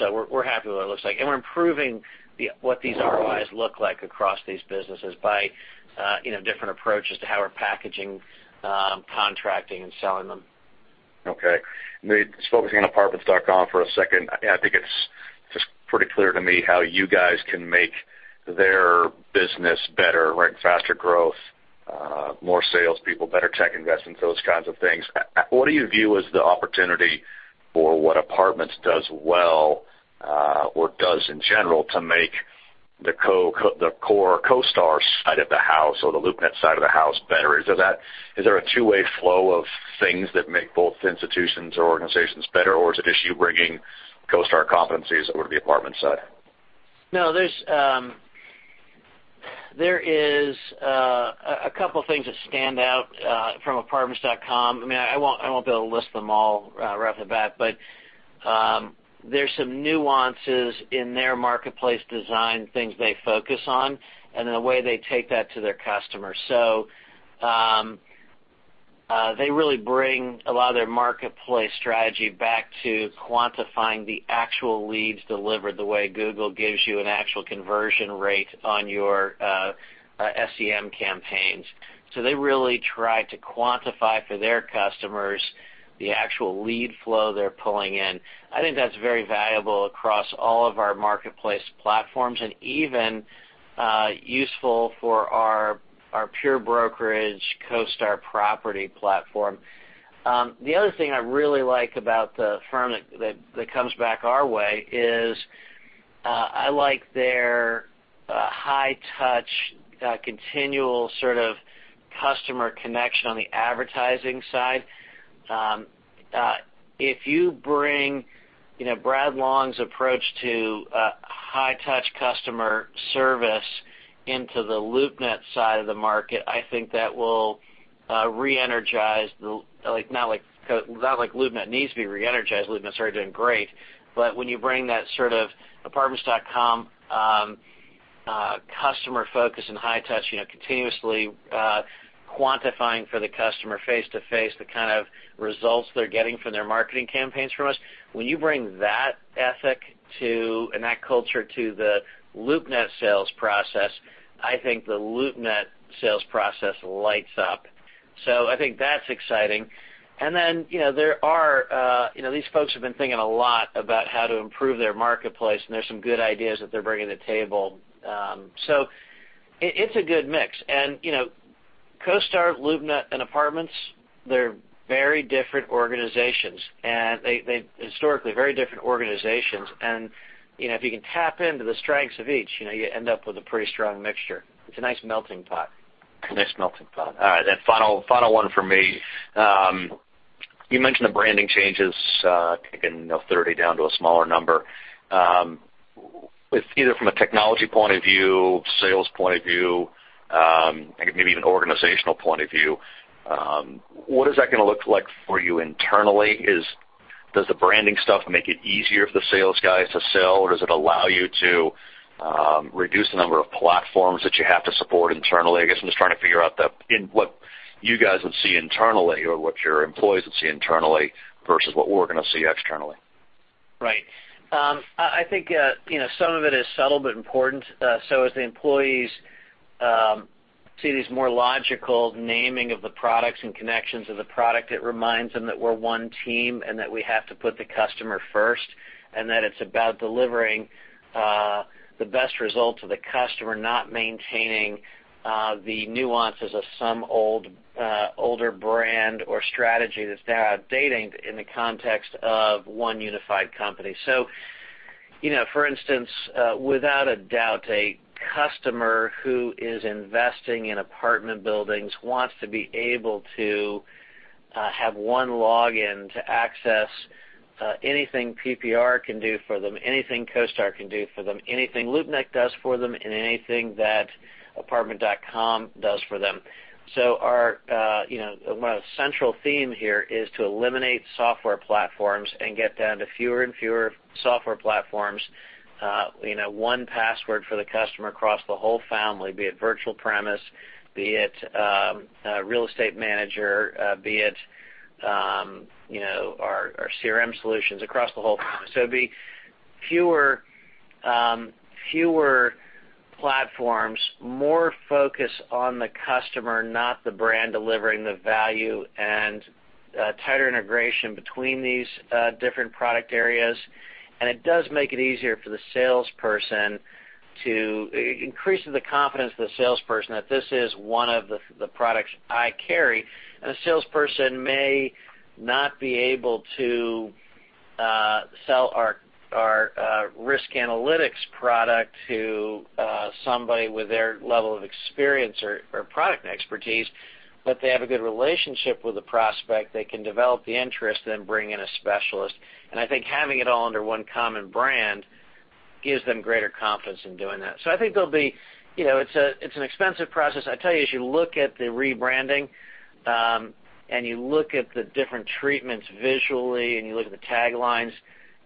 We're happy with what it looks like. We're improving what these ROIs look like across these businesses by different approaches to how we're packaging, contracting, and selling them. Okay. Just focusing on apartments.com for a second, I think it's just pretty clear to me how you guys can make their business better, faster growth, more salespeople, better tech investments, those kinds of things. What do you view as the opportunity for what Apartments.com does well or does in general to make the core CoStar side of the house or the LoopNet side of the house better? Is there a two-way flow of things that make both institutions or organizations better, or is it just you bringing CoStar competencies over to the Apartments.com side? There is a couple of things that stand out from apartments.com. I won't be able to list them all right off the bat, but there's some nuances in their marketplace design, things they focus on, and then the way they take that to their customers. They really bring a lot of their marketplace strategy back to quantifying the actual leads delivered, the way Google gives you an actual conversion rate on your SEM campaigns. They really try to quantify for their customers the actual lead flow they're pulling in. I think that's very valuable across all of our marketplace platforms, and even useful for our pure brokerage CoStar property platform. The other thing I really like about the firm that comes back our way is, I like their high touch, continual customer connection on the advertising side. If you bring Brad Long's approach to high touch customer service into the LoopNet side of the market, I think that will re-energize. Not like LoopNet needs to be re-energized. LoopNet's already doing great. When you bring that sort of apartments.com customer focus and high touch, continuously quantifying for the customer face-to-face the kind of results they're getting from their marketing campaigns from us, when you bring that ethic and that culture to the LoopNet sales process, I think the LoopNet sales process lights up. I think that's exciting. These folks have been thinking a lot about how to improve their marketplace, and there's some good ideas that they're bringing to the table. It's a good mix. CoStar, LoopNet, and Apartments, they're very different organizations, and historically very different organizations. If you can tap into the strengths of each, you end up with a pretty strong mixture. It's a nice melting pot. Nice melting pot. All right, final one from me. You mentioned the branding changes, taking 30 down to a smaller number. With either from a technology point of view, sales point of view, maybe even organizational point of view, what is that going to look like for you internally? Does the branding stuff make it easier for the sales guys to sell, or does it allow you to reduce the number of platforms that you have to support internally? I guess I'm just trying to figure out what you guys would see internally or what your employees would see internally versus what we're going to see externally. Right. I think some of it is subtle but important. As the employees see these more logical naming of the products and connections of the product, it reminds them that we're one team and that we have to put the customer first, and that it's about delivering the best result to the customer, not maintaining the nuances of some older brand or strategy that's now outdated in the context of one unified company. For instance, without a doubt, a customer who is investing in apartment buildings wants to be able to have one login to access anything PPR can do for them, anything CoStar can do for them, anything LoopNet does for them, and anything that apartments.com does for them. Our central theme here is to eliminate software platforms and get down to fewer and fewer software platforms. One password for the customer across the whole family, be it Virtual Premise, be it Real Estate Manager, be it our CRM solutions across the whole family. It'd be fewer platforms, more focus on the customer, not the brand delivering the value, and tighter integration between these different product areas. It does make it easier for the salesperson. Increases the confidence of the salesperson that this is one of the products I carry. A salesperson may not be able to sell our risk analytics product to somebody with their level of experience or product expertise, but they have a good relationship with the prospect. They can develop the interest, then bring in a specialist. I think having it all under one common brand gives them greater confidence in doing that. I think it's an expensive process. I tell you, as you look at the rebranding, you look at the different treatments visually, you look at the taglines,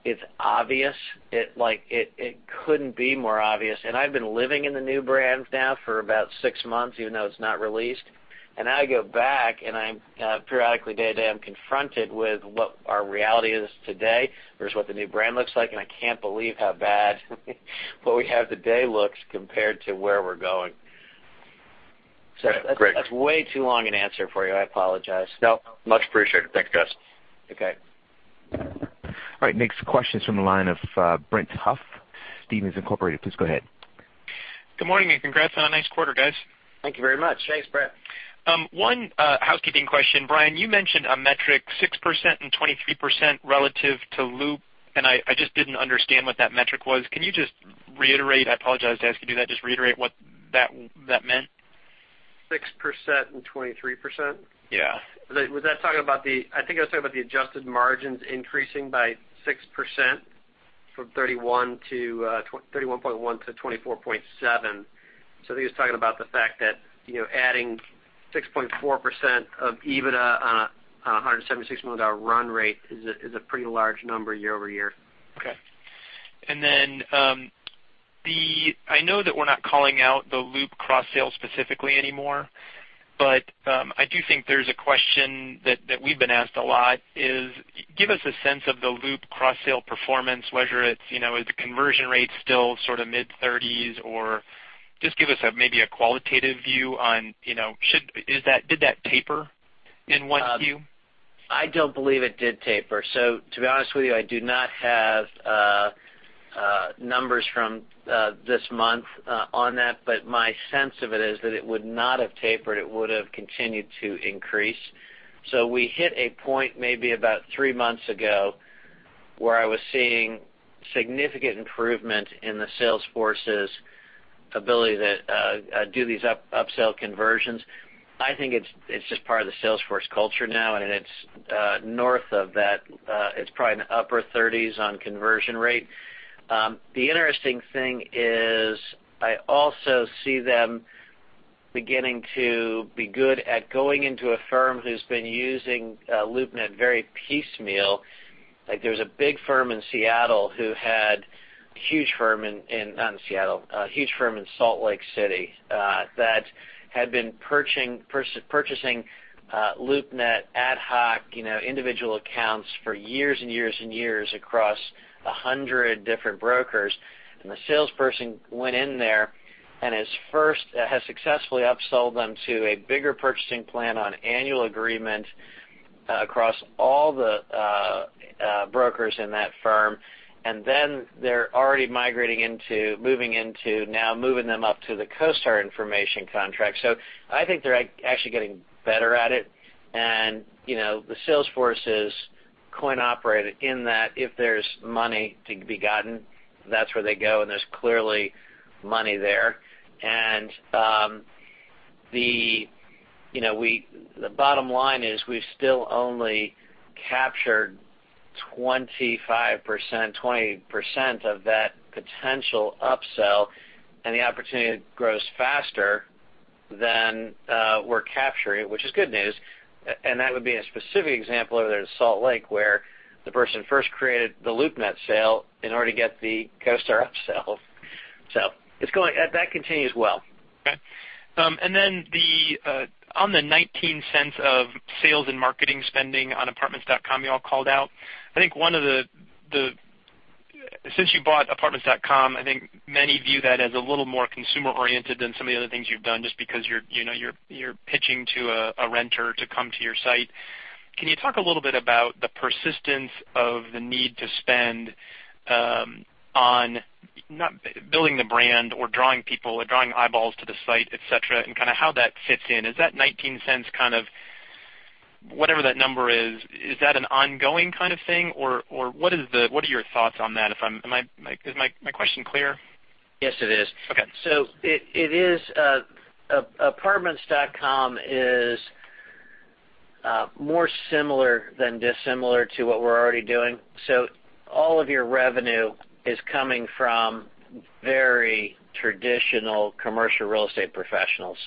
it's obvious. It couldn't be more obvious. I've been living in the new brand now for about six months, even though it's not released. Now I go back and periodically day-to-day I'm confronted with what our reality is today versus what the new brand looks like, and I can't believe how bad what we have today looks compared to where we're going. Great. That's way too long an answer for you. I apologize. No, much appreciated. Thanks, guys. Okay. All right. Next question is from the line of Brett Huff, Stephens Inc.. Please go ahead. Good morning, and congrats on a nice quarter, guys. Thank you very much. Thanks, Brett. One housekeeping question. Brian, you mentioned a metric, 6% and 23% relative to Loop, and I just didn't understand what that metric was. Can you just reiterate, I apologize to ask you to do that, just reiterate what that meant? 6% and 23%? Yeah. I think I was talking about the adjusted margins increasing by 6%, from 31.1 to 24.7. I think I was talking about the fact that adding 6.4% of EBITDA on a $176 million run rate is a pretty large number year-over-year. Okay. I know that we're not calling out the Loop cross-sales specifically anymore, but I do think there's a question that we've been asked a lot is, give us a sense of the Loop cross-sale performance, whether is the conversion rate still sort of mid-30s, or just give us maybe a qualitative view on did that taper in 1Q? I don't believe it did taper. To be honest with you, I do not have numbers from this month on that, but my sense of it is that it would not have tapered. It would've continued to increase. We hit a point maybe about three months ago where I was seeing significant improvement in the sales force's ability to do these up-sale conversions. I think it's just part of the sales force culture now, and it's north of that. It's probably in the upper 30s on conversion rate. The interesting thing is I also see them beginning to be good at going into a firm who's been using LoopNet very piecemeal. There's a big firm in Salt Lake City that had been purchasing LoopNet ad hoc individual accounts for years and years and years across 100 different brokers. The salesperson went in there and has successfully up-sold them to a bigger purchasing plan on annual agreement across all the brokers in that firm. They're already migrating into now moving them up to the CoStar information contract. I think they're actually getting better at it. The sales force is coin operated in that if there's money to be gotten, that's where they go, and there's clearly money there. The bottom line is we've still only captured 25%, 20% of that potential up-sell, and the opportunity grows faster than we're capturing, which is good news. That would be a specific example over there in Salt Lake, where the person first created the LoopNet sale in order to get the CoStar up-sell. That continues well. Okay. On the $0.19 of sales and marketing spending on apartments.com y'all called out, I think since you bought apartments.com, I think many view that as a little more consumer-oriented than some of the other things you've done just because you're pitching to a renter to come to your site. Can you talk a little bit about the persistence of the need to spend on building the brand or drawing people or drawing eyeballs to the site, et cetera, and kind of how that fits in? Is that $0.19 Whatever that number is that an ongoing kind of thing? What are your thoughts on that? Is my question clear? Yes, it is. Okay. Apartments.com is more similar than dissimilar to what we're already doing. All of your revenue is coming from very traditional commercial real estate professionals.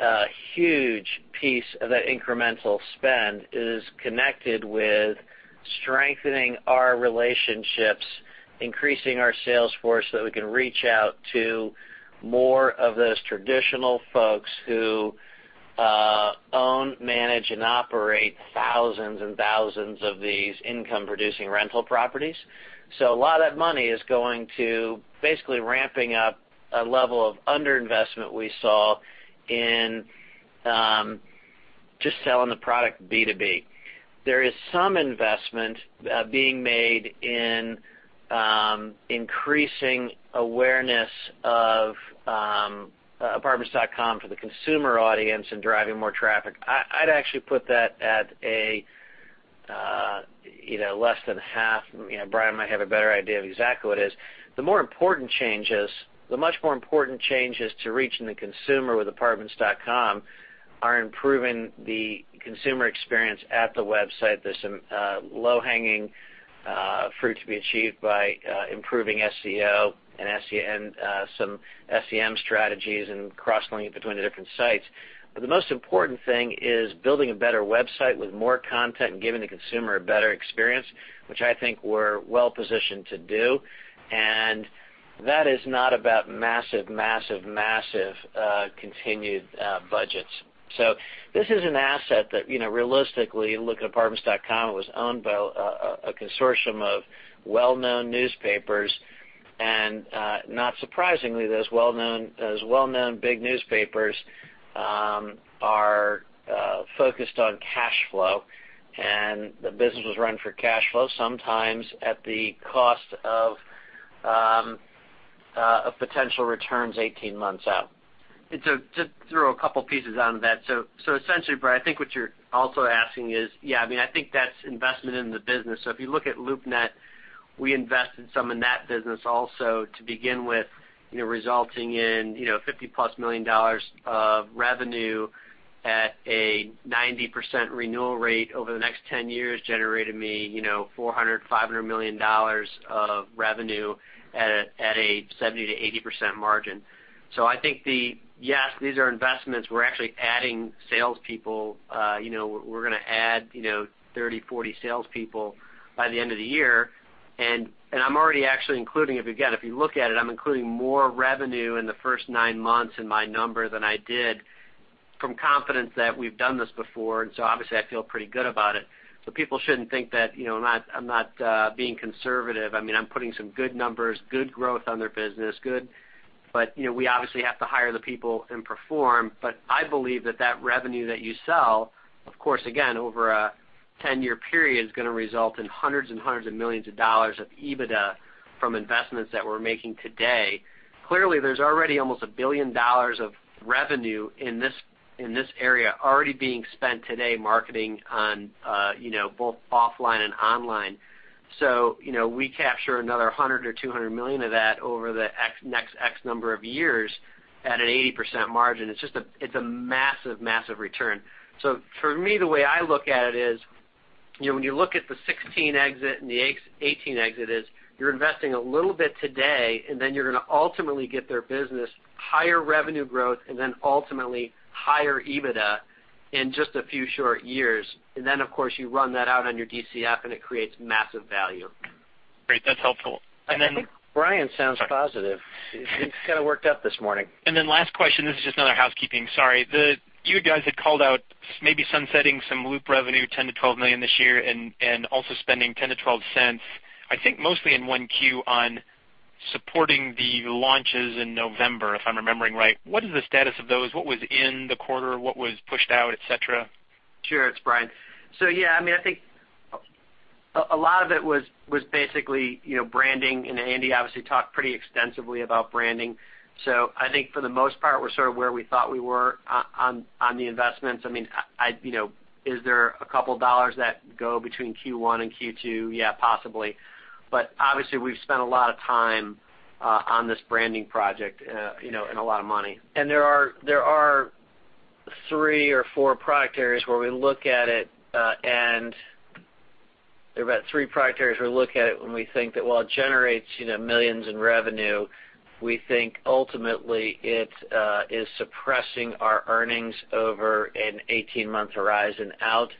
A huge piece of that incremental spend is connected with strengthening our relationships, increasing our sales force so that we can reach out to more of those traditional folks who own, manage, and operate thousands and thousands of these income-producing rental properties. A lot of that money is going to basically ramping up a level of under-investment we saw in just selling the product B2B. There is some investment being made in increasing awareness of Apartments.com to the consumer audience and driving more traffic. I'd actually put that at less than half. Brian might have a better idea of exactly what it is. The much more important change is to reaching the consumer with Apartments.com are improving the consumer experience at the website. There's some low-hanging fruit to be achieved by improving SEO and some SEM strategies and cross-linking between the different sites. The most important thing is building a better website with more content and giving the consumer a better experience, which I think we're well-positioned to do. That is not about massive continued budgets. This is an asset that realistically, look, Apartments.com was owned by a consortium of well-known newspapers, and not surprisingly, those well-known big newspapers are focused on cash flow, and the business was run for cash flow, sometimes at the cost of potential returns 18 months out. To throw a couple pieces on that. Essentially, Brian, I think what you're also asking is, I think that's investment in the business. If you look at LoopNet, we invested some in that business also to begin with, resulting in $50-plus million of revenue at a 90% renewal rate over the next 10 years, generating me $400 million, $500 million of revenue at a 70%-80% margin. I think, yes, these are investments. We're actually adding salespeople. We're going to add 30, 40 salespeople by the end of the year. I'm already actually including, if you look at it, I'm including more revenue in the first nine months in my number than I did from confidence that we've done this before. Obviously, I feel pretty good about it. People shouldn't think that I'm not being conservative. I'm putting some good numbers, good growth on their business. We obviously have to hire the people and perform. I believe that that revenue that you sell, of course, again, over a 10-year period, is going to result in hundreds and hundreds of millions of dollars of EBITDA from investments that we're making today. Clearly, there's already almost $1 billion of revenue in this area already being spent today marketing on both offline and online. We capture another $100 million or $200 million of that over the next X number of years at an 80% margin. It's a massive return. For me, the way I look at it is, when you look at the 2016 exit and the 2018 exit is you're investing a little bit today, you're going to ultimately get their business higher revenue growth and then ultimately higher EBITDA in just a few short years. Of course, you run that out on your DCF and it creates massive value. Great. That's helpful. I think Brian sounds positive. He's kind of worked up this morning. Last question, this is just another housekeeping, sorry. You guys had called out maybe sunsetting some Loop revenue, $10 million-$12 million this year and also spending $0.10-$0.12, I think mostly in 1Q on supporting the launches in November, if I'm remembering right. What is the status of those? What was in the quarter? What was pushed out, et cetera? Sure. It's Brian. Yeah, I think a lot of it was basically branding, Andy obviously talked pretty extensively about branding. I think for the most part, we're sort of where we thought we were on the investments. Is there a couple of dollars that go between Q1 and Q2? Yeah, possibly. Obviously, we've spent a lot of time on this branding project and a lot of money. There are three or four product areas where we look at it, there are about three product areas where we look at it when we think that while it generates millions in revenue, we think ultimately it is suppressing our earnings over an 18-month horizon out.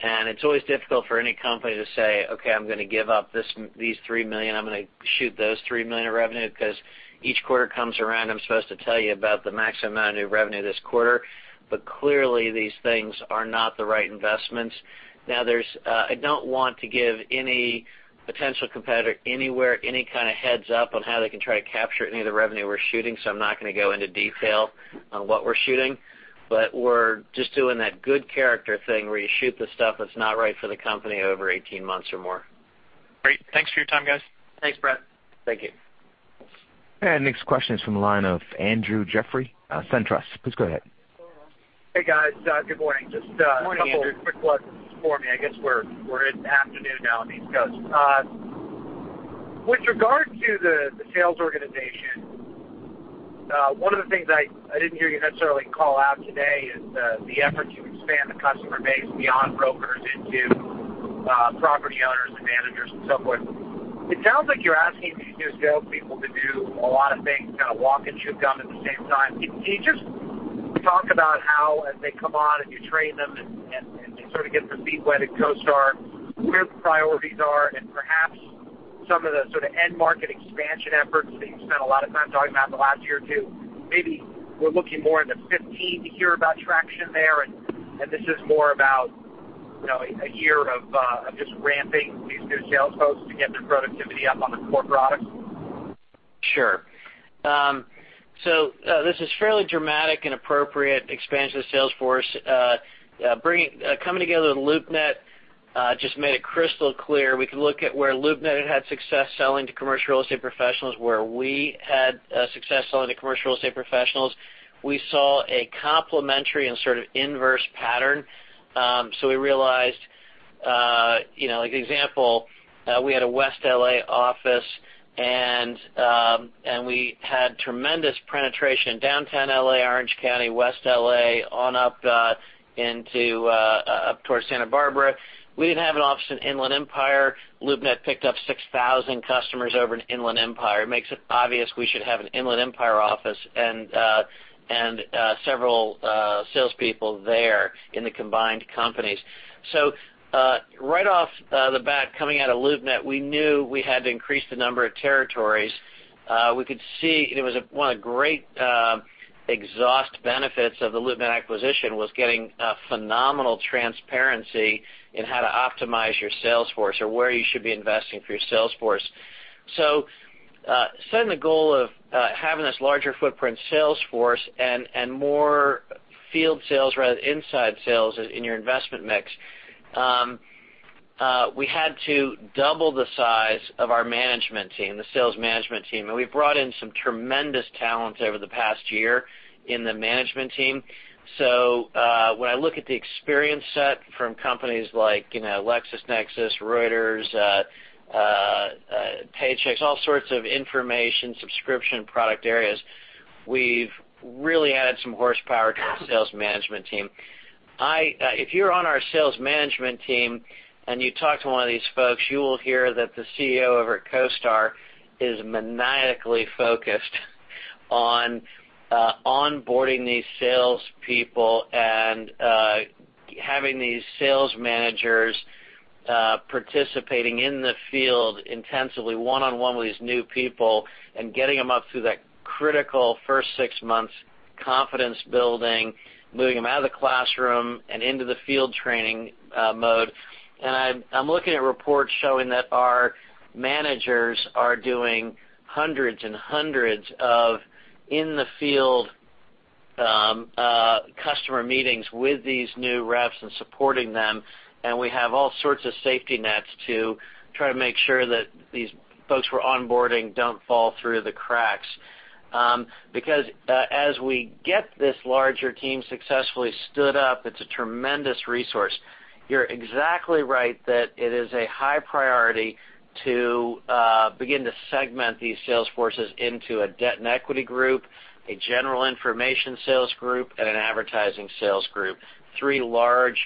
It's always difficult for any company to say, "Okay, I'm going to give up these $3 million. I'm going to shoot those $3 million in revenue," because each quarter comes around, I'm supposed to tell you about the maximum amount of new revenue this quarter. Clearly, these things are not the right investments. Now, I don't want to give any potential competitor anywhere, any kind of heads-up on how they can try to capture any of the revenue we're shooting, so I'm not going to go into detail on what we're shooting. We're just doing that good character thing where you shoot the stuff that's not right for the company over 18 months or more. Great. Thanks for your time, guys. Thanks, Brett. Thank you. Next question is from the line of Andrew Jeffrey, SunTrust. Please go ahead. Hey, guys. Good morning. Good morning, Andrew. Just a couple quick ones for me. I guess we're in afternoon now on the East Coast. With regard to the sales organization, one of the things I didn't hear you necessarily call out today is the effort to expand the customer base beyond brokers into property owners and managers and so forth. It sounds like you're asking these new salespeople to do a lot of things, kind of walk and chew gum at the same time. Can you just talk about how, as they come on and you train them and sort of get their feet wet at CoStar, where the priorities are and perhaps some of the sort of end market expansion efforts that you've spent a lot of time talking about in the last year or two, maybe we're looking more into 2015 to hear about traction there, and this is more about a year of just ramping these new sales folks to get their productivity up on the core products? Sure. This is fairly dramatic and appropriate expansion of the sales force. Coming together with LoopNet just made it crystal clear. We could look at where LoopNet had had success selling to commercial real estate professionals, where we had success selling to commercial real estate professionals. We saw a complementary and sort of inverse pattern. We realized Like an example, we had a West L.A. office, and we had tremendous penetration in Downtown L.A., Orange County, West L.A., on up towards Santa Barbara. We didn't have an office in Inland Empire. LoopNet picked up 6,000 customers over in Inland Empire. It makes it obvious we should have an Inland Empire office and several salespeople there in the combined companies. Right off the bat, coming out of LoopNet, we knew we had to increase the number of territories. One of the great exhaust benefits of the LoopNet acquisition was getting a phenomenal transparency in how to optimize your sales force or where you should be investing for your sales force. Setting the goal of having this larger footprint sales force and more field sales rather than inside sales in your investment mix, we had to double the size of our management team, the sales management team, and we've brought in some tremendous talent over the past year in the management team. When I look at the experience set from companies like LexisNexis, Reuters, Paychex, all sorts of information, subscription product areas, we've really added some horsepower to the sales management team. If you're on our sales management team and you talk to one of these folks, you will hear that the CEO over at CoStar is maniacally focused on onboarding these salespeople and having these sales managers participating in the field intensively one-on-one with these new people and getting them up through that critical first six months, confidence building, moving them out of the classroom and into the field training mode. I'm looking at reports showing that our managers are doing hundreds and hundreds of in-the-field customer meetings with these new reps and supporting them, and we have all sorts of safety nets to try to make sure that these folks who are onboarding don't fall through the cracks. As we get this larger team successfully stood up, it's a tremendous resource. You're exactly right that it is a high priority to begin to segment these sales forces into a debt and equity group, a general information sales group, and an advertising sales group. Three large,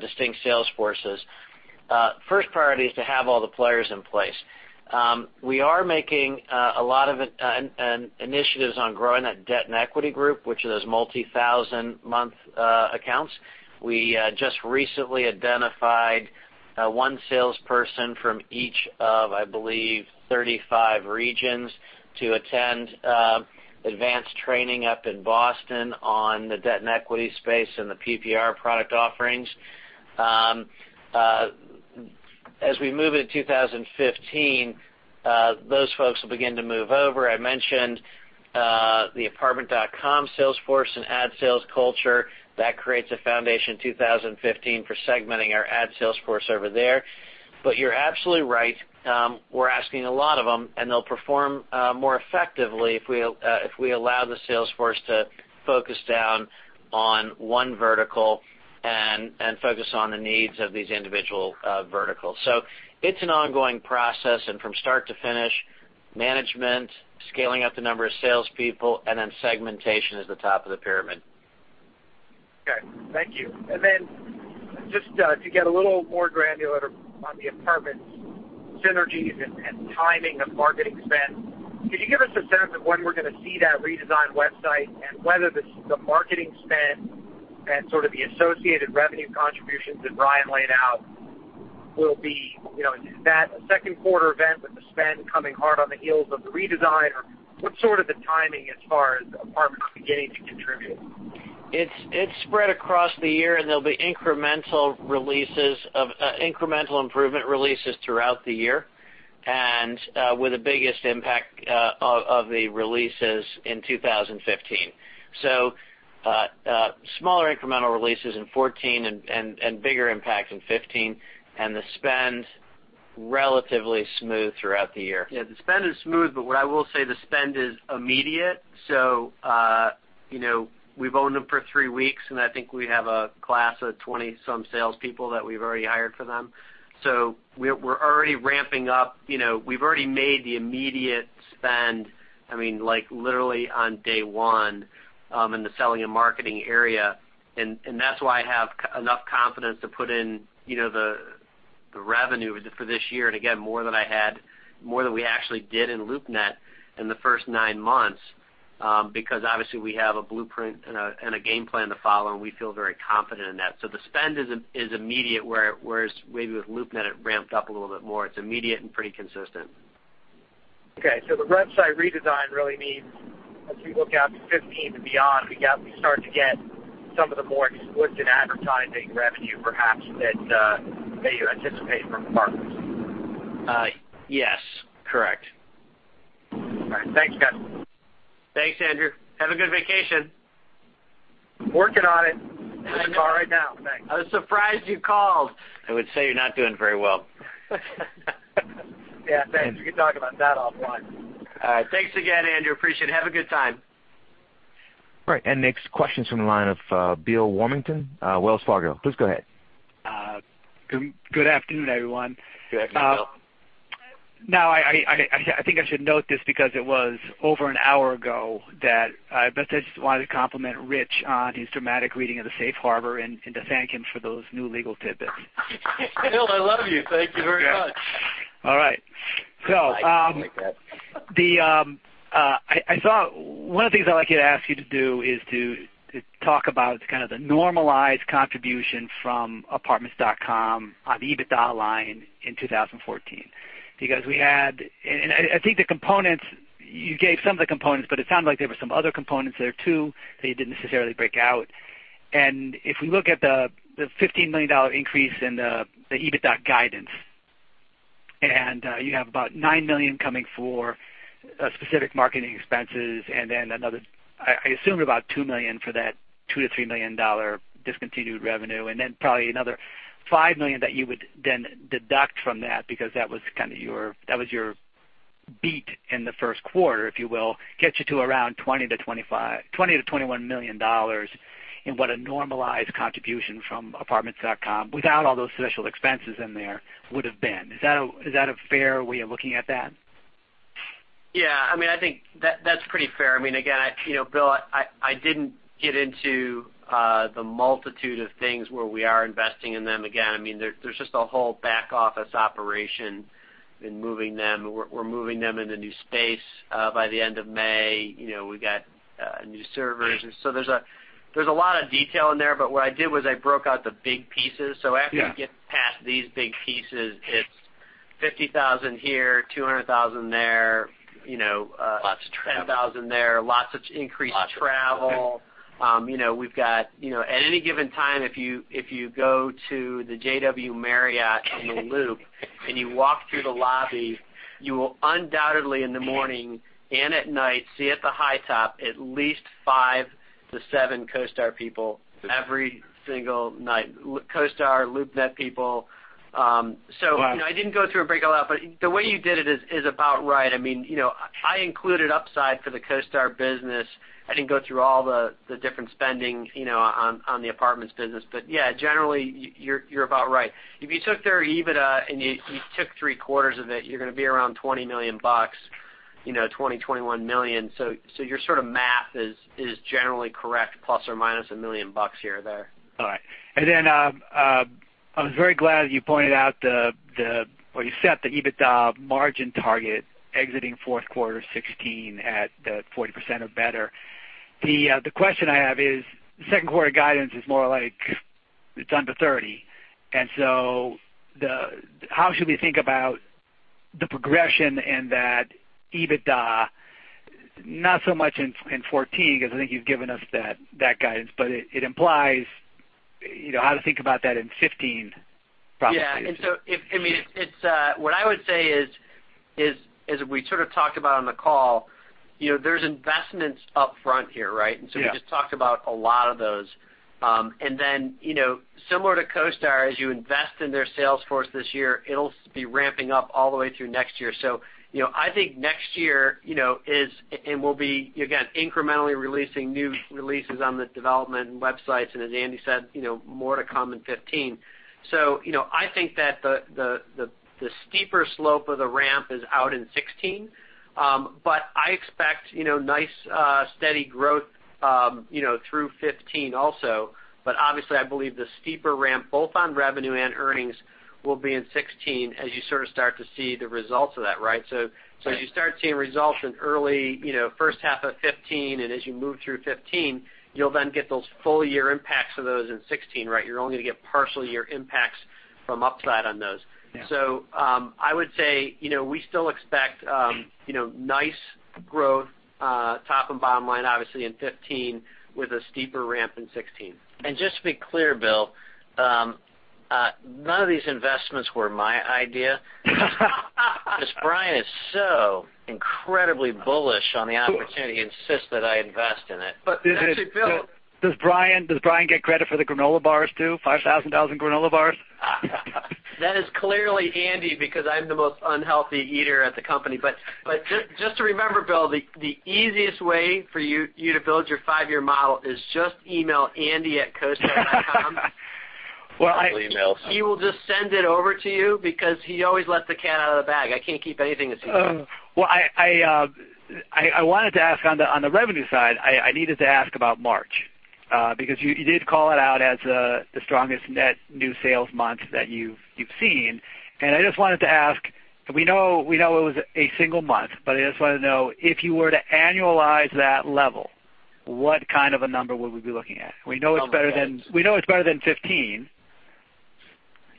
distinct sales forces. First priority is to have all the players in place. We are making a lot of initiatives on growing that debt and equity group, which are those multi-thousand-month accounts. We just recently identified one salesperson from each of, I believe, 35 regions to attend advanced training up in Boston on the debt and equity space and the PPR product offerings. As we move into 2015, those folks will begin to move over. I mentioned the apartments.com sales force and ad sales culture. That creates a foundation in 2015 for segmenting our ad sales force over there. You're absolutely right. We're asking a lot of them, and they'll perform more effectively if we allow the sales force to focus down on one vertical and focus on the needs of these individual verticals. It's an ongoing process, and from start to finish, management, scaling up the number of salespeople, and then segmentation is the top of the pyramid. Okay. Thank you. Just to get a little more granular on the Apartments synergies and timing of marketing spend, could you give us a sense of when we're going to see that redesigned website and whether the marketing spend and sort of the associated revenue contributions that Brian laid out will be Is that a second quarter event with the spend coming hard on the heels of the redesign? What's sort of the timing as far as Apartments beginning to contribute? It's spread across the year. There'll be incremental improvement releases throughout the year, with the biggest impact of the releases in 2015. Smaller incremental releases in 2014 and bigger impact in 2015. The spend relatively smooth throughout the year. Yeah. The spend is smooth. What I will say, the spend is immediate. We've owned them for three weeks, and I think we have a class of 20-some salespeople that we've already hired for them. We're already ramping up. We've already made the immediate spend, literally on day one, in the selling and marketing area. That's why I have enough confidence to put in the revenue for this year. Again, more than we actually did in LoopNet in the first nine months, because obviously we have a blueprint and a game plan to follow, and we feel very confident in that. The spend is immediate, whereas maybe with LoopNet, it ramped up a little bit more. It's immediate and pretty consistent. Okay. The website redesign really means as we look out to 2015 and beyond, we start to get some of the more explicit advertising revenue perhaps that you anticipate from Apartments. Yes. Correct. All right. Thanks, guys. Thanks, Andrew. Have a good vacation. Working on it as we speak. In the car right now. Thanks. I was surprised you called. I would say you're not doing very well. Yeah. Thanks. We can talk about that offline. All right. Thanks again, Andrew. Appreciate it. Have a good time. Right. Next question's from the line of Bill Warmington, Wells Fargo. Please go ahead. Good afternoon, everyone. Good afternoon, Bill. Now, I think I should note this because it was over an hour ago that I best just wanted to compliment Rich on his dramatic reading of the safe harbor, and to thank him for those new legal tidbits. Bill, I love you. Thank you very much. All right. I like that. One of the things I'd like to ask you to do is to talk about kind of the normalized contribution from apartments.com on the EBITDA line in 2014. I think the components, you gave some of the components, but it sounded like there were some other components there, too, that you didn't necessarily break out. If we look at the $15 million increase in the EBITDA guidance, you have about $9 million coming for specific marketing expenses and then another, I assume, about $2 million for that $2 million-$3 million discontinued revenue, and then probably another $5 million that you would then deduct from that because that was your beat in the first quarter, if you will, gets you to around $20 million-$21 million in what a normalized contribution from apartments.com, without all those special expenses in there, would've been. Is that a fair way of looking at that? Yeah. I think that's pretty fair. Bill, I didn't get into the multitude of things where we are investing in them. There's just a whole back-office operation in moving them. We're moving them into new space by the end of May. We've got new servers, there's a lot of detail in there, what I did was I broke out the big pieces. Yeah. After you get past these big pieces, it's $50,000 here, $200,000 there. Lots of travel. $10,000 there, lots of increased travel. Lots of travel. At any given time, if you go to the JW Marriott in the Loop and you walk through the lobby, you will undoubtedly in the morning and at night see at the high top at least five to seven CoStar people every single night. CoStar, LoopNet people. Wow. I didn't go through and break all out, but the way you did it is about right. I included upside for the CoStar business. I didn't go through all the different spending on the apartments business. Yeah, generally, you're about right. If you took their EBITDA and you took three-quarters of it, you're going to be around $20 million, $20, $21 million. Your sort of math is generally correct, plus or minus a million bucks here or there. All right. I was very glad you set the EBITDA margin target exiting fourth quarter 2016 at 40% or better. The question I have is, second quarter guidance is more like it's under 30%, how should we think about the progression in that EBITDA, not so much in 2014, because I think you've given us that guidance, but how to think about that in 2015, probably. Yeah. What I would say is, as we sort of talked about on the call, there's investments up front here, right? Yeah. We just talked about a lot of those. Similar to CoStar, as you invest in their sales force this year, it'll be ramping up all the way through next year. I think next year, and we'll be, again, incrementally releasing new releases on the development and websites, and as Andy said, more to come in 2015. I think that the steeper slope of the ramp is out in 2016. I expect nice, steady growth through 2015 also. Obviously, I believe the steeper ramp, both on revenue and earnings, will be in 2016 as you sort of start to see the results of that, right? Right. As you start seeing results in early first half of 2015, and as you move through 2015, you'll then get those full-year impacts of those in 2016, right? You're only going to get partial year impacts from upside on those. Yeah. I would say, we still expect nice growth, top and bottom line, obviously, in 2015 with a steeper ramp in 2016. Just to be clear, Bill, none of these investments were my idea. Brian is so incredibly bullish on the opportunity, he insists that I invest in it. Does Brian get credit for the granola bars too? 500,000 granola bars? That is clearly Andy, because I'm the most unhealthy eater at the company. Just to remember, Bill, the easiest way for you to build your five-year model is just email andy@costar.com. He will just send it over to you because he always lets the cat out of the bag. I can't keep anything a secret. I wanted to ask on the revenue side, I needed to ask about March, because you did call it out as the strongest net new sales month that you've seen. I just wanted to ask, we know it was a single month, but I just wanted to know, if you were to annualize that level, what kind of a number would we be looking at? We know it's better than $15. $20?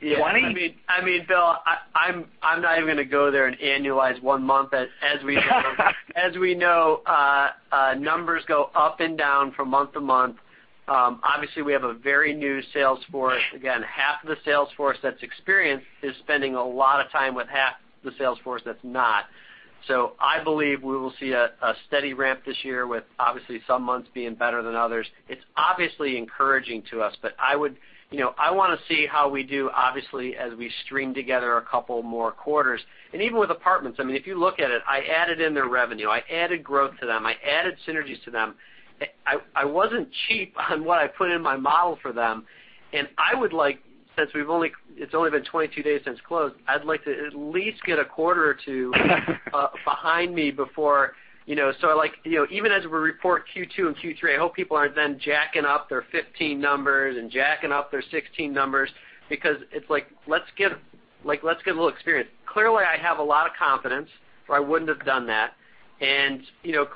Yeah. Bill, I'm not even going to go there and annualize one month. As we know, numbers go up and down from month to month. Obviously, we have a very new sales force. Again, half of the sales force that's experienced is spending a lot of time with half the sales force that's not. I believe we will see a steady ramp this year with obviously some months being better than others. It's obviously encouraging to us, I want to see how we do obviously as we string together a couple more quarters. Even with Apartments.com, if you look at it, I added in their revenue, I added growth to them, I added synergies to them. I wasn't cheap on what I put in my model for them. I would like, since it's only been 22 days since close, I'd like to at least get a quarter or two behind me. Even as we report Q2 and Q3, I hope people aren't then jacking up their 2015 numbers and jacking up their 2016 numbers because it's like, let's get a little experience. Clearly, I have a lot of confidence or I wouldn't have done that.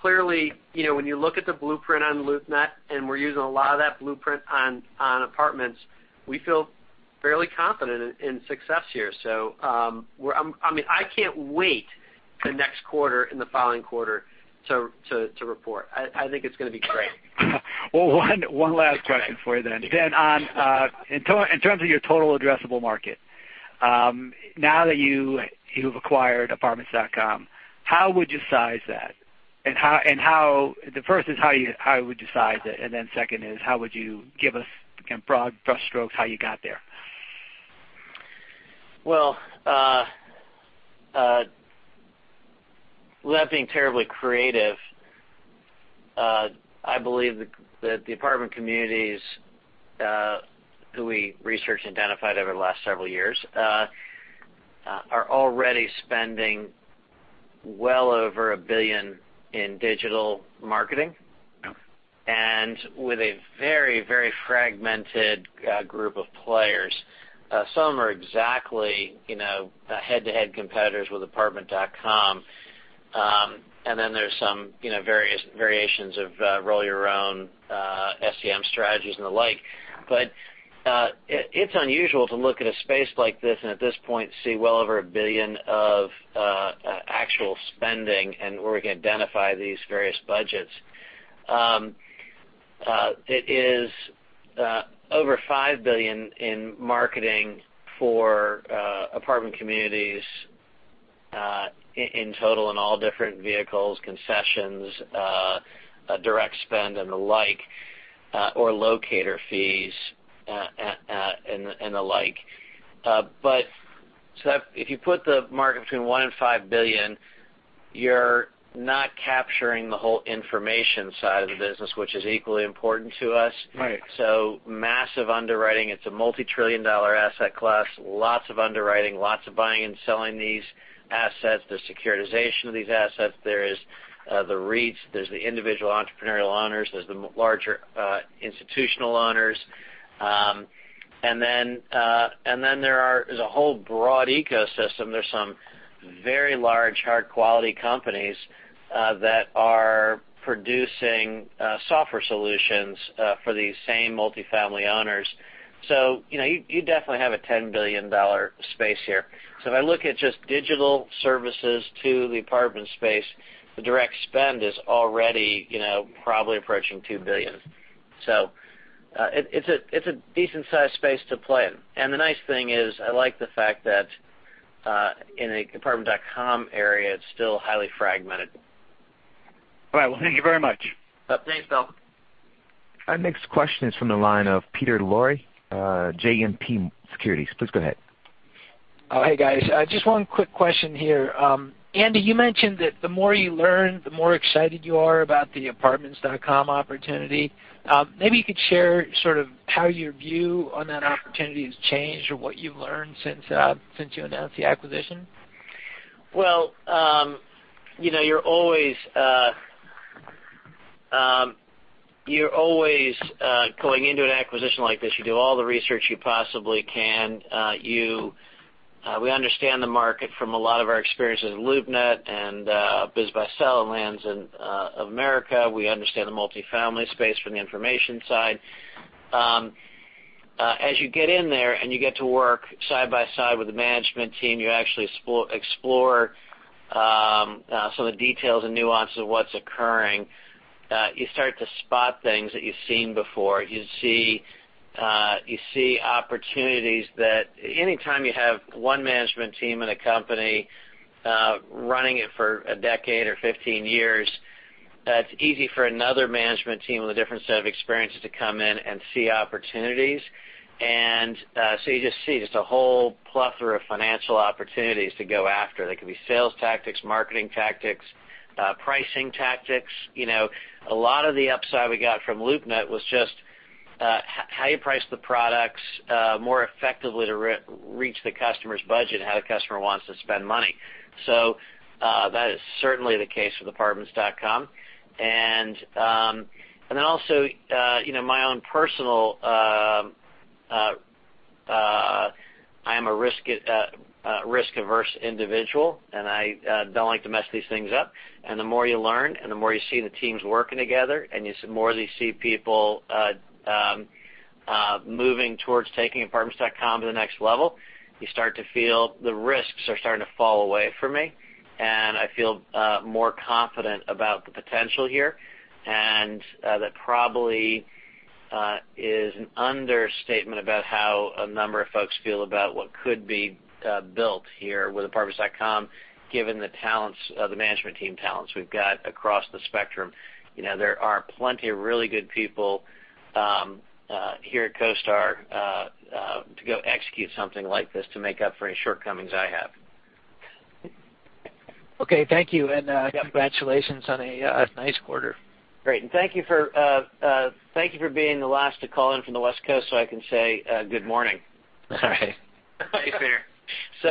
Clearly, when you look at the blueprint on LoopNet, and we're using a lot of that blueprint on Apartments.com, we feel fairly confident in success here. I can't wait the next quarter and the following quarter to report. I think it's going to be great. One last question for you then. In terms of your total addressable market, now that you've acquired Apartments.com, how would you size that? The first is how would you size it, second is how would you give us broad brushstrokes, how you got there? Without being terribly creative, I believe that the apartment communities, who we researched and identified over the last several years, are already spending well over $1 billion in digital marketing. Okay. With a very fragmented group of players. Some are exactly head-to-head competitors with Apartments.com. There's some variations of roll your own SEM strategies and the like. It's unusual to look at a space like this and at this point see well over $1 billion of actual spending and where we can identify these various budgets. It is over $5 billion in marketing for apartment communities, in total, in all different vehicles, concessions, direct spend, and the like, or locator fees and the like. If you put the market between $1 billion and $5 billion, you're not capturing the whole information side of the business, which is equally important to us. Right. Massive underwriting. It's a multi-trillion-dollar asset class, lots of underwriting, lots of buying and selling these assets. There's securitization of these assets. There's the REITs, there's the individual entrepreneurial owners, there's the larger institutional owners. There's a whole broad ecosystem. There's some very large, hard quality companies that are producing software solutions for these same multi-family owners. You definitely have a $10 billion space here. If I look at just digital services to the apartment space, the direct spend is already probably approaching $2 billion. It's a decent-sized space to play in. The nice thing is, I like the fact that in the Apartments.com area, it's still highly fragmented. All right. Thank you very much. Thanks, Bill. Our next question is from the line of Peter Lowry, JMP Securities. Please go ahead. Hey, guys. Just one quick question here. Andy, you mentioned that the more you learn, the more excited you are about the Apartments.com opportunity. Maybe you could share sort of how your view on that opportunity has changed or what you've learned since you announced the acquisition. You're always going into an acquisition like this, you do all the research you possibly can. We understand the market from a lot of our experience with LoopNet and BizBuySell and Lands of America. We understand the multi-family space from the information side. As you get in there and you get to work side by side with the management team, you actually explore Some of the details and nuances of what's occurring, you start to spot things that you've seen before. You see opportunities that anytime you have one management team in a company running it for a decade or 15 years, it's easy for another management team with a different set of experiences to come in and see opportunities. So you just see just a whole plethora of financial opportunities to go after. They could be sales tactics, marketing tactics, pricing tactics. A lot of the upside we got from LoopNet was just how you price the products more effectively to reach the customer's budget and how the customer wants to spend money. So that is certainly the case with apartments.com. Then also my own personal I'm a risk-averse individual, and I don't like to mess these things up. The more you learn and the more you see the teams working together and the more that you see people moving towards taking apartments.com to the next level, you start to feel the risks are starting to fall away from me, and I feel more confident about the potential here. That probably is an understatement about how a number of folks feel about what could be built here with apartments.com, given the management team talents we've got across the spectrum. There are plenty of really good people here at CoStar to go execute something like this to make up for any shortcomings I have. Okay. Thank you, and congratulations on a nice quarter. Great. Thank you for being the last to call in from the West Coast, so I can say good morning. All right.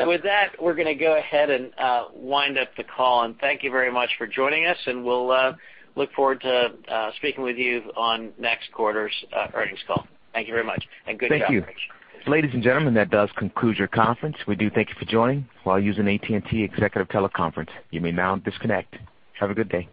With that, we're going to go ahead and wind up the call. Thank you very much for joining us. We'll look forward to speaking with you on next quarter's earnings call. Thank you very much. Good job, Rich. Thank you. Ladies and gentlemen, that does conclude your conference. We do thank you for joining while using AT&T executive teleconference. You may now disconnect. Have a good day.